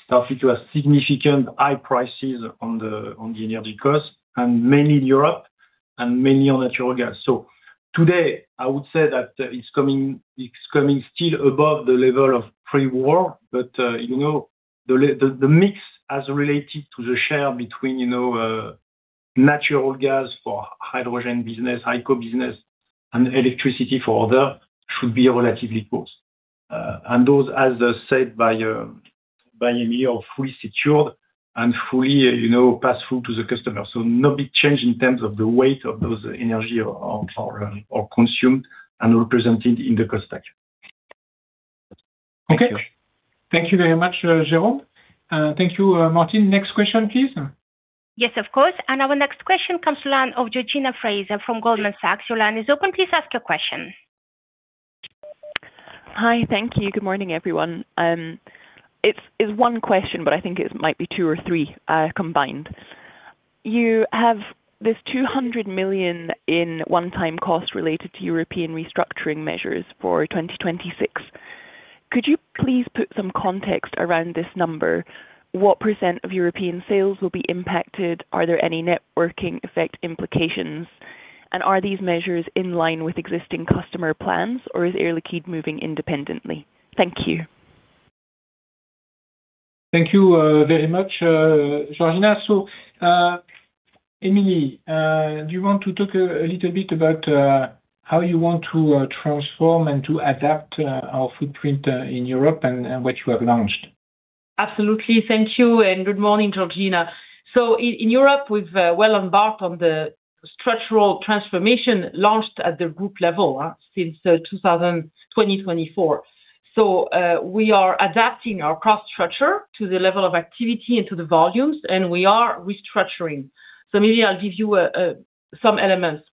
started to have significant high prices on the energy costs, and mainly Europe, and mainly on natural gas. So today, I would say that it's coming, it's coming still above the level of pre-war, but, you know, the mix as related to the share between, you know, natural gas for hydrogen business, CO business, and electricity for other should be relatively close. And those, as said by Émilie, are fully secured and fully, you know, pass through to the customer. So no big change in terms of the weight of those energy consumed and represented in the cost stack. Okay. Thank you very much, Jérôme. Thank you, Martin. Next question, please. Yes, of course. Our next question comes to line of Georgina Fraser from Goldman Sachs. Your line is open. Please ask your question. Hi. Thank you. Good morning, everyone. It's one question, but I think it might be two or three combined. You have this 200 million in one-time costs related to European restructuring measures for 2026. Could you please put some context around this number? What % of European sales will be impacted? Are there any knock-on effect implications? And are these measures in line with existing customer plans, or is Air Liquide moving independently? Thank you. Thank you very much, Georgina. So, Émilie, do you want to talk a little bit about how you want to transform and to adapt our footprint in Europe and what you have launched? Absolutely. Thank you, and good morning, Georgina. So in Europe, we've well embarked on the structural transformation launched at the group level since 2020-2024. So we are adapting our cost structure to the level of activity and to the volumes, and we are restructuring. So maybe I'll give you some elements.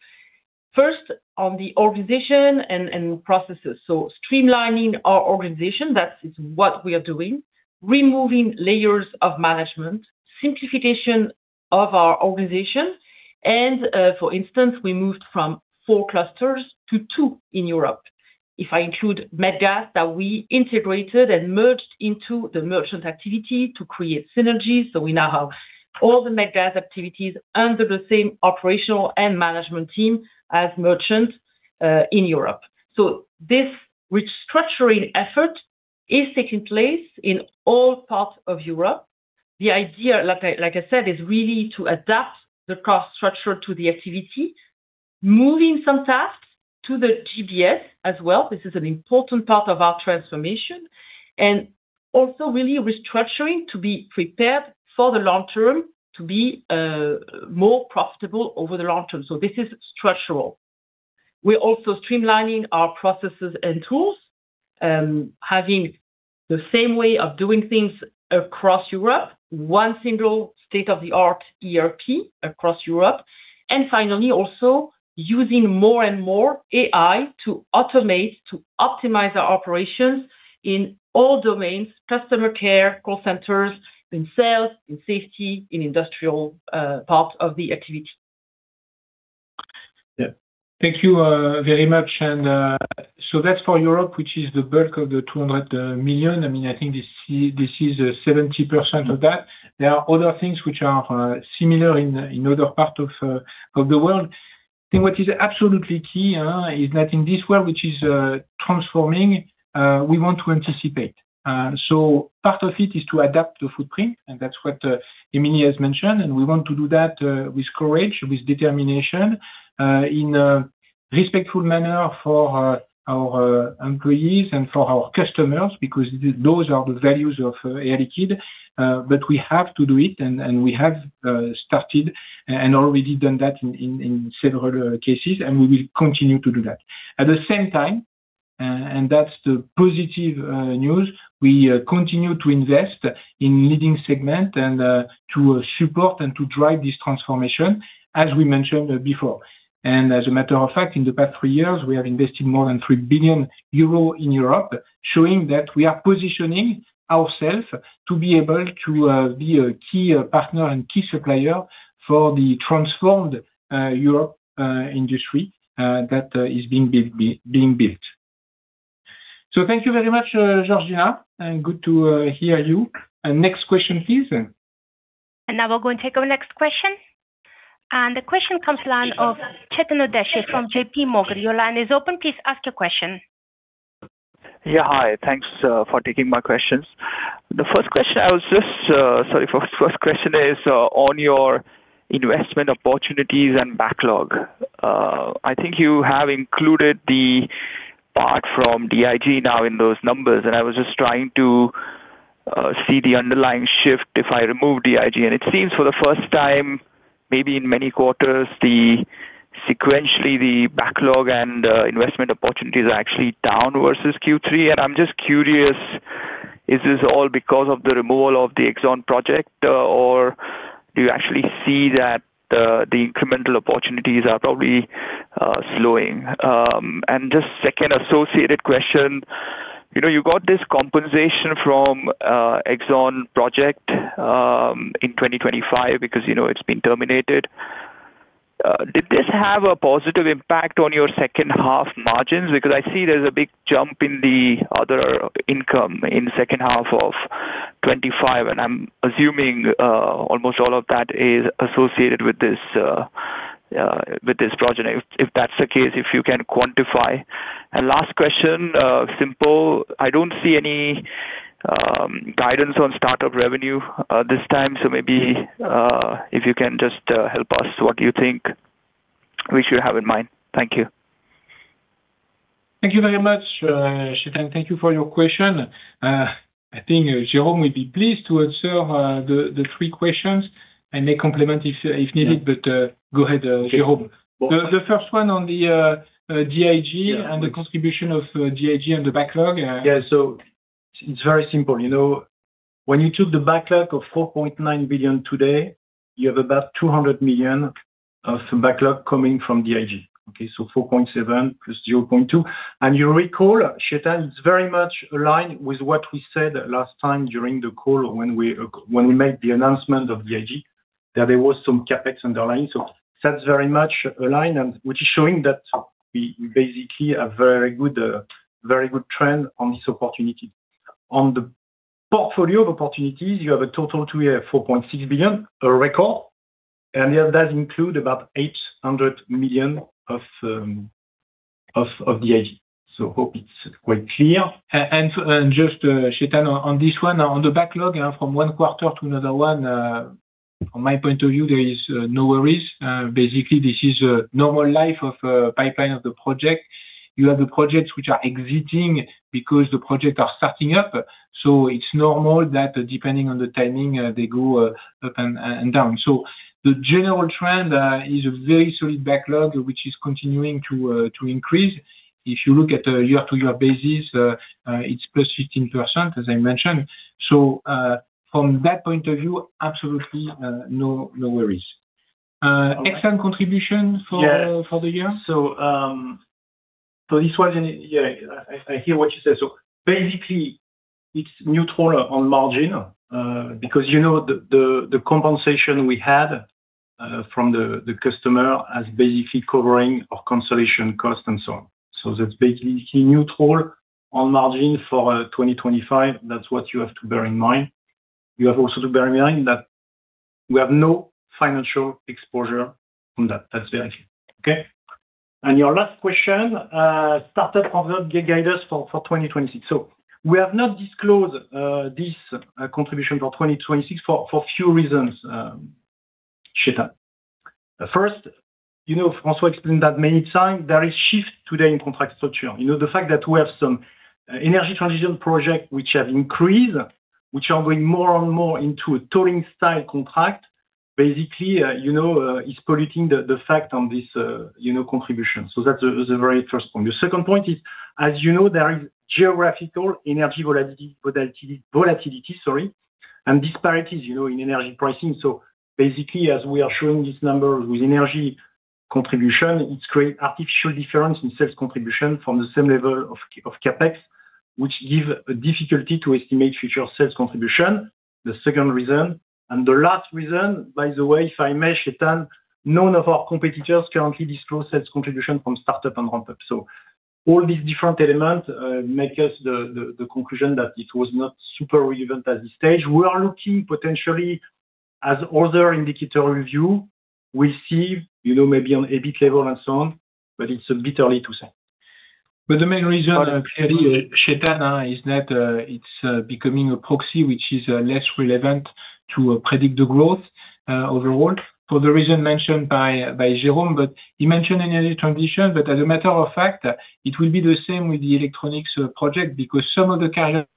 First, on the organization and processes. So streamlining our organization, that is what we are doing, removing layers of management, simplification of our organization, and for instance, we moved from four clusters to two in Europe. If I include MedGas, that we integrated and merged into the merchant activity to create synergies. So we now have all the MedGas activities under the same operational and management team as merchants in Europe. So this restructuring effort is taking place in all parts of Europe. The idea, like I said, is really to adapt the cost structure to the activity, moving some tasks to the GBS as well. This is an important part of our transformation, and also really restructuring to be prepared for the long term, to be more profitable over the long term. So this is structural. We're also streamlining our processes and tools, having the same way of doing things across Europe, one single state-of-the-art ERP across Europe. And finally, also using more and more AI to automate, to optimize our operations in all domains, customer care, call centers, in sales, in safety, in industrial part of the activity. Yeah. Thank you, very much. And, so that's for Europe, which is the bulk of the 200 million. I mean, I think this is, this is 70% of that. There are other things which are, similar in other parts of the world. I think what is absolutely key, is that in this world, which is transforming, we want to anticipate. So part of it is to adapt the footprint, and that's what, Émilie has mentioned, and we want to do that, with courage, with determination, in a respectful manner for our employees and for our customers, because those are the values of Air Liquide. But we have to do it, and we have started and already done that in several cases, and we will continue to do that. At the same time, and that's the positive news, we continue to invest in leading segment and to support and to drive this transformation, as we mentioned before. And as a matter of fact, in the past three years, we have invested more than 3 billion euros in Europe, showing that we are positioning ourselves to be able to be a key partner and key supplier for the transformed European industry that is being built. So thank you very much, Georgina, and good to hear you. And next question, please. Now we're going to take our next question. The question comes from the line of Chetan Udeshi from J.P. Morgan. Your line is open. Please ask your question. Yeah, hi. Thanks for taking my questions. The first question is on your investment opportunities and backlog. I think you have included the part from DIG now in those numbers, and I was just trying to see the underlying shift if I remove DIG. And it seems for the first time, maybe in many quarters, sequentially, the backlog and investment opportunities are actually down versus Q3. And I'm just curious, is this all because of the removal of the Exxon project, or do you actually see that the incremental opportunities are probably slowing? And just second associated question, you know, you got this compensation from Exxon project in 2025 because, you know, it's been terminated. Did this have a positive impact on your second half margins? Because I see there's a big jump in the other income in the second half of 2025, and I'm assuming almost all of that is associated with this with this project. If that's the case, if you can quantify. And last question, simple. I don't see any guidance on start of revenue this time, so maybe if you can just help us, what do you think we should have in mind? Thank you. Thank you very much, Chetan. Thank you for your question. I think Jérôme will be pleased to answer the three questions and may complement if needed, but go ahead, Jérôme. The first one on the DIG and the contribution of DIG and the backlog. Yeah. So it's very simple. You know, when you took the backlog of 4.9 billion today, you have about 200 million of backlog coming from DIG. Okay, so 4.7 + 0.2. And you recall, Chetan, it's very much aligned with what we said last time during the call when we, when we made the announcement of DIG, that there was some CapEx underlying. So that's very much aligned and which is showing that we basically a very good, very good trend on this opportunity. On the portfolio of opportunities, you have a total to 4.6 billion, a record, and that includes about 800 million of, of, of DIG. So hope it's quite clear. Just, Chetan, on this one, on the backlog, from one quarter to another one, from my point of view, there is no worries. Basically, this is a normal life of a pipeline of the project.... You have the projects which are exiting because the projects are starting up. So it's normal that depending on the timing, they go up and down. So the general trend is a very solid backlog, which is continuing to increase. If you look at a year-to-year basis, it's plus 15%, as I mentioned. So, from that point of view, absolutely, no, no worries. XM contribution for- Yes. for the year? Yeah, I hear what you said. So basically, it's neutral on margin, because, you know, the compensation we had from the customer is basically covering our consolidation cost and so on. So that's basically neutral on margin for 2025. That's what you have to bear in mind. You have also to bear in mind that we have no financial exposure on that. That's basically it. Okay? Your last question, startup contribution guidance for 2026. So we have not disclosed this contribution for 2026 for a few reasons, Chetan. First, you know, François explained that many times there is shift today in contract structure. You know, the fact that we have some energy transition projects which have increased, which are going more and more into a take-or-pay style contract. Basically, you know, it's polluting the view on this contribution. So that's the very first point. The second point is, as you know, there is geographical energy volatility, sorry, and disparities, you know, in energy pricing. So basically, as we are showing this number with energy contribution, it creates artificial difference in sales contribution from the same level of CapEx, which gives a difficulty to estimate future sales contribution. The second reason. And the last reason, by the way, if I may, Chetan, none of our competitors currently disclose sales contribution from startup and ramp-up. So all these different elements make us the conclusion that it was not super relevant at this stage. We are looking potentially as other indicator review, we see, you know, maybe on EBIT level and so on, but it's a bit early to say. But the main reason, Chetan, is that, it's becoming a proxy which is less relevant to predict the growth overall, for the reason mentioned by, by Jérôme. But he mentioned energy transition, but as a matter of fact, it will be the same with the electronics project, because some of the current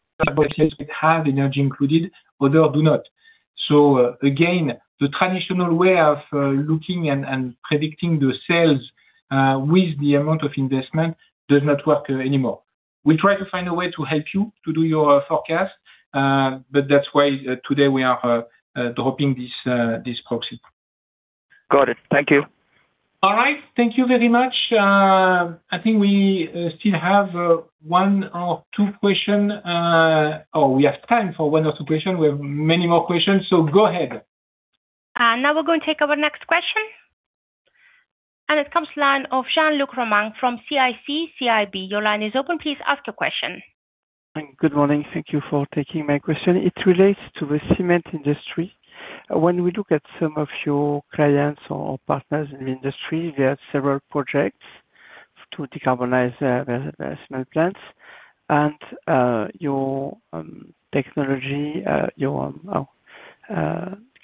have energy included, others do not. So again, the traditional way of looking and predicting the sales with the amount of investment does not work anymore. We try to find a way to help you to do your forecast, but that's why today we are dropping this proxy. Got it. Thank you. All right. Thank you very much. I think we still have one or two question. Oh, we have time for one or two question. We have many more questions, so go ahead. Now we're going to take our next question, and it comes from the line of Jean-Luc Romain from CIC CIB. Your line is open. Please ask your question. Good morning. Thank you for taking my question. It relates to the cement industry. When we look at some of your clients or partners in the industry, there are several projects to decarbonize cement plants and your technology, your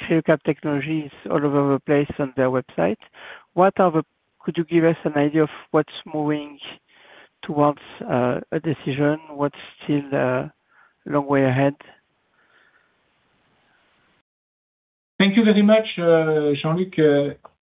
CryoCap technologies all over the place on their website. What are the... Could you give us an idea of what's moving towards a decision? What's still a long way ahead? Thank you very much, Jean-Luc.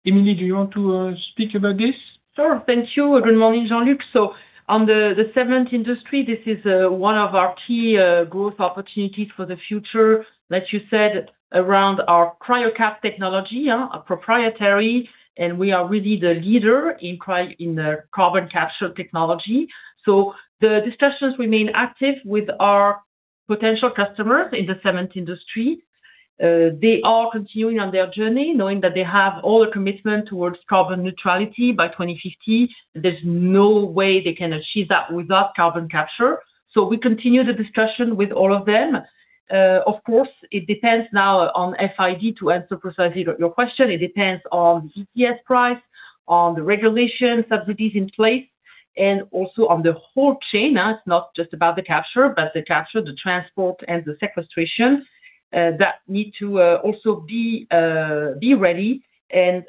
Émilie, do you want to speak about this? Sure. Thank you. Good morning, Jean-Luc. So on the, the cement industry, this is one of our key growth opportunities for the future, like you said, around our CryoCap technology, proprietary, and we are really the leader in cry- in the carbon capture technology. So the discussions remain active with our potential customers in the cement industry. They are continuing on their journey, knowing that they have all the commitment towards carbon neutrality by 2050. There's no way they can achieve that without carbon capture. So we continue the discussion with all of them. Of course, it depends now on FID. To answer precisely your question, it depends on ETS price, on the regulation subsidies in place, and also on the whole chain. It's not just about the capture, but the capture, the transport, and the sequestration that need to also be ready, and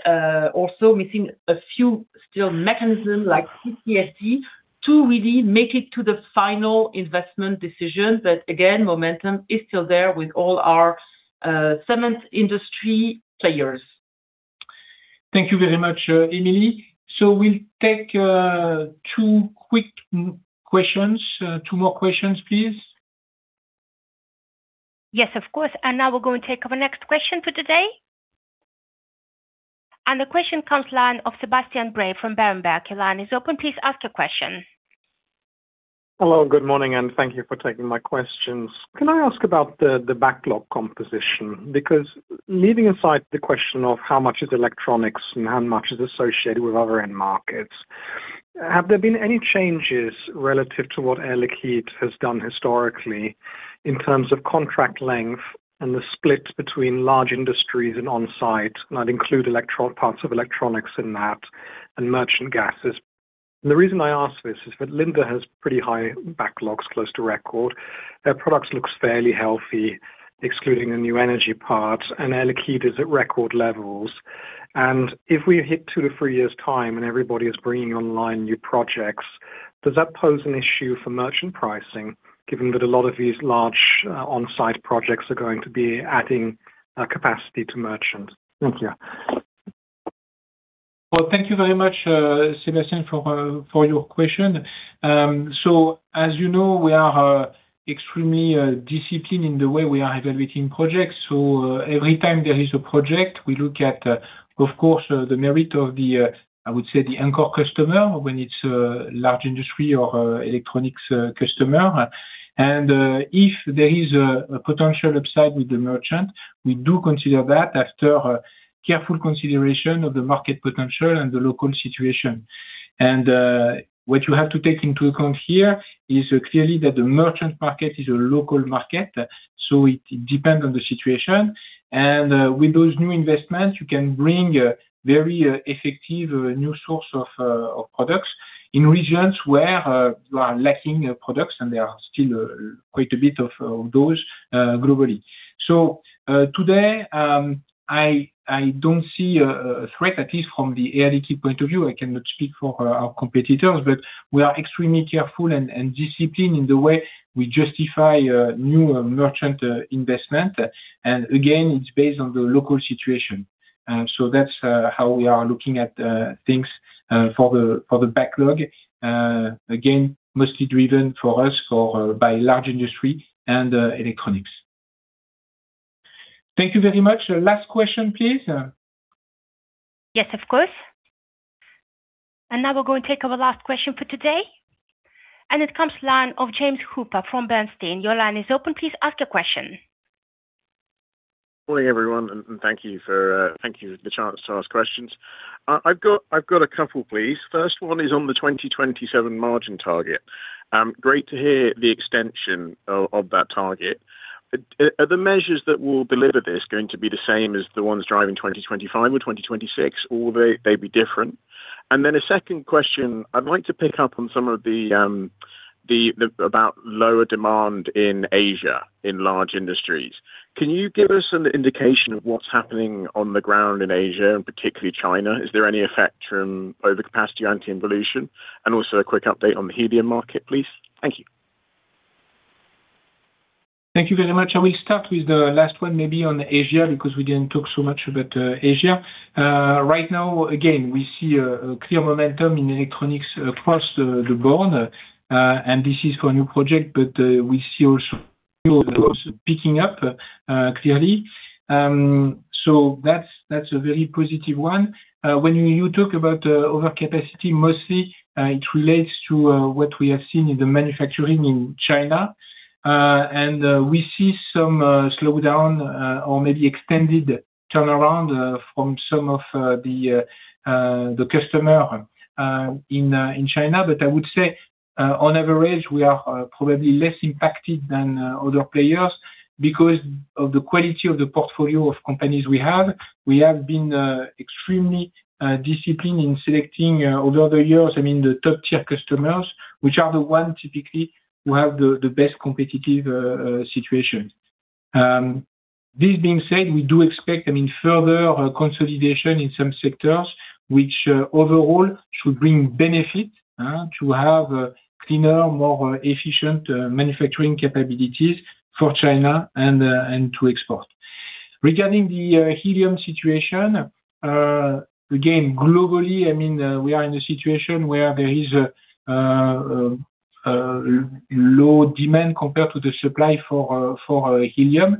also missing a few still mechanisms like CCSD, to really make it to the final investment decision. But again, momentum is still there with all our cement industry players. Thank you very much, Émilie. So we'll take two quick questions, two more questions, please. Yes, of course. Now we're going to take our next question for today. The question comes line of Sebastian Bray from Berenberg. Your line is open. Please ask your question. Hello, good morning, and thank you for taking my questions. Can I ask about the backlog composition? Because leaving aside the question of how much is electronics and how much is associated with other end markets, have there been any changes relative to what Air Liquide has done historically in terms of contract length and the split between Large Industries and on-site, and I'd include electron- parts of electronics in that, and merchant gases? And the reason I ask this is that Linde has pretty high backlogs, close to record. Their products looks fairly healthy, excluding the new energy part, and Air Liquide is at record levels. And if we hit 2-3 years time and everybody is bringing online new projects, does that pose an issue for merchant pricing, given that a lot of these large, on-site projects are going to be adding capacity to merchant? Thank you. Well, thank you very much, Sebastian, for your question. So as you know, we are extremely disciplined in the way we are evaluating projects. So every time there is a project, we look at, of course, the merit of the, I would say, the anchor customer when it's a large industry or electronics customer. And if there is a potential upside with the merchant, we do consider that after careful consideration of the market potential and the local situation. And what you have to take into account here is clearly that the merchant market is a local market, so it depends on the situation. With those new investments, you can bring a very effective new source of products in regions where you are lacking products, and there are still quite a bit of those globally. So today, I don't see a threat, at least from the Air Liquide point of view. I cannot speak for our competitors, but we are extremely careful and disciplined in the way we justify new merchant investment. And again, it's based on the local situation. So that's how we are looking at things for the backlog. Again, mostly driven for us by Large Industry and Electronics. Thank you very much. Last question, please. Yes, of course. And now we're going to take our last question for today, and it comes line of James Hooper from Bernstein. Your line is open. Please ask your question. Morning, everyone, and thank you for the chance to ask questions. I've got a couple, please. First one is on the 2027 margin target. Great to hear the extension of that target. Are the measures that will deliver this going to be the same as the ones driving 2025 or 2026, or will they be different? And then a second question, I'd like to pick up on some of the about lower demand in Asia, in Large Industries. Can you give us an indication of what's happening on the ground in Asia and particularly China? Is there any effect from overcapacity, anti-inflation? And also a quick update on the helium market, please. Thank you. Thank you very much. I will start with the last one, maybe on Asia, because we didn't talk so much about Asia. Right now, again, we see a clear momentum in electronics across the board, and this is for a new project, but we see also picking up clearly. So that's a very positive one. When you talk about overcapacity, mostly it relates to what we have seen in the manufacturing in China. And we see some slowdown or maybe extended turnaround from some of the customer in in China. But I would say, on average, we are probably less impacted than other players because of the quality of the portfolio of companies we have. We have been extremely disciplined in selecting over the years, I mean, the top-tier customers, which are the ones typically who have the best competitive situation. This being said, we do expect, I mean, further consolidation in some sectors, which overall should bring benefit to have a cleaner, more efficient manufacturing capabilities for China and to export. Regarding the helium situation, again, globally, I mean, we are in a situation where there is a low demand compared to the supply for helium.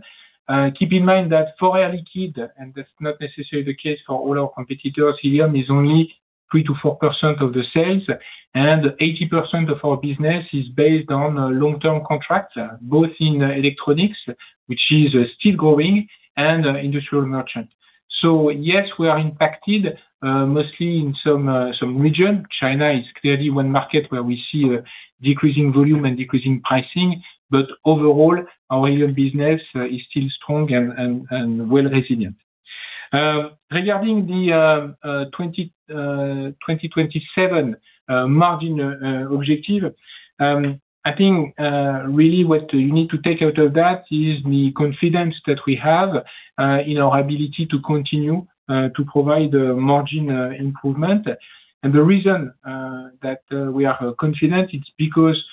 Keep in mind that for Air Liquide, and that's not necessarily the case for all our competitors, helium is only 3 to 4% of the sales, and 80% of our business is based on long-term contract, both in electronics, which is still growing, and industrial merchant. So yes, we are impacted, mostly in some region. China is clearly one market where we see a decreasing volume and decreasing pricing, but overall, our helium business is still strong and well resilient. Regarding the 2027 margin objective, I think really what you need to take out of that is the confidence that we have in our ability to continue to provide a margin improvement. And the reason that we are confident it's because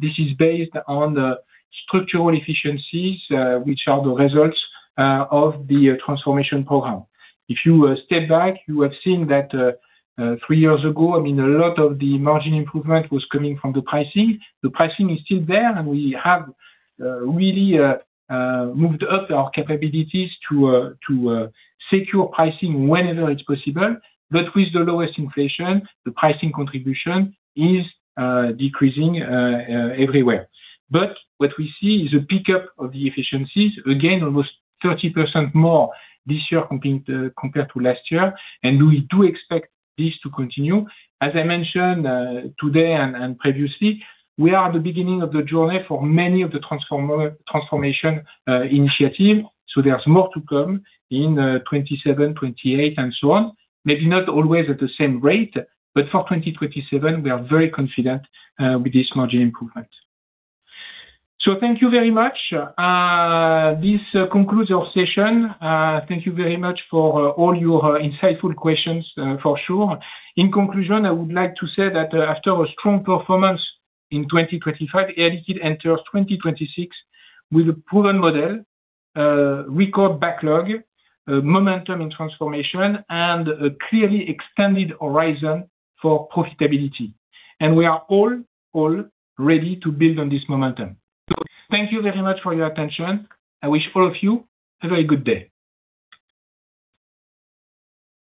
this is based on the structural efficiencies which are the results of the transformation program. If you step back, you have seen that three years ago, I mean, a lot of the margin improvement was coming from the pricing. The pricing is still there, and we have really moved up our capabilities to secure pricing whenever it's possible. But with the lowest inflation, the pricing contribution is decreasing everywhere. But what we see is a pickup of the efficiencies, again, almost 30% more this year compared to last year, and we do expect this to continue. As I mentioned, today and previously, we are at the beginning of the journey for many of the transformation initiative. So there's more to come in 2027, 2028, and so on. Maybe not always at the same rate, but for 2027, we are very confident with this margin improvement. So thank you very much. This concludes our session. Thank you very much for all your insightful questions, for sure. In conclusion, I would like to say that after a strong performance in 2025, Air Liquide enters 2026 with a proven model, record backlog, momentum and transformation, and a clearly extended horizon for profitability. We are all ready to build on this momentum. So thank you very much for your attention. I wish all of you a very good day.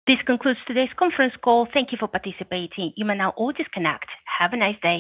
This concludes today's conference call. Thank you for participating. You may now all disconnect. Have a nice day.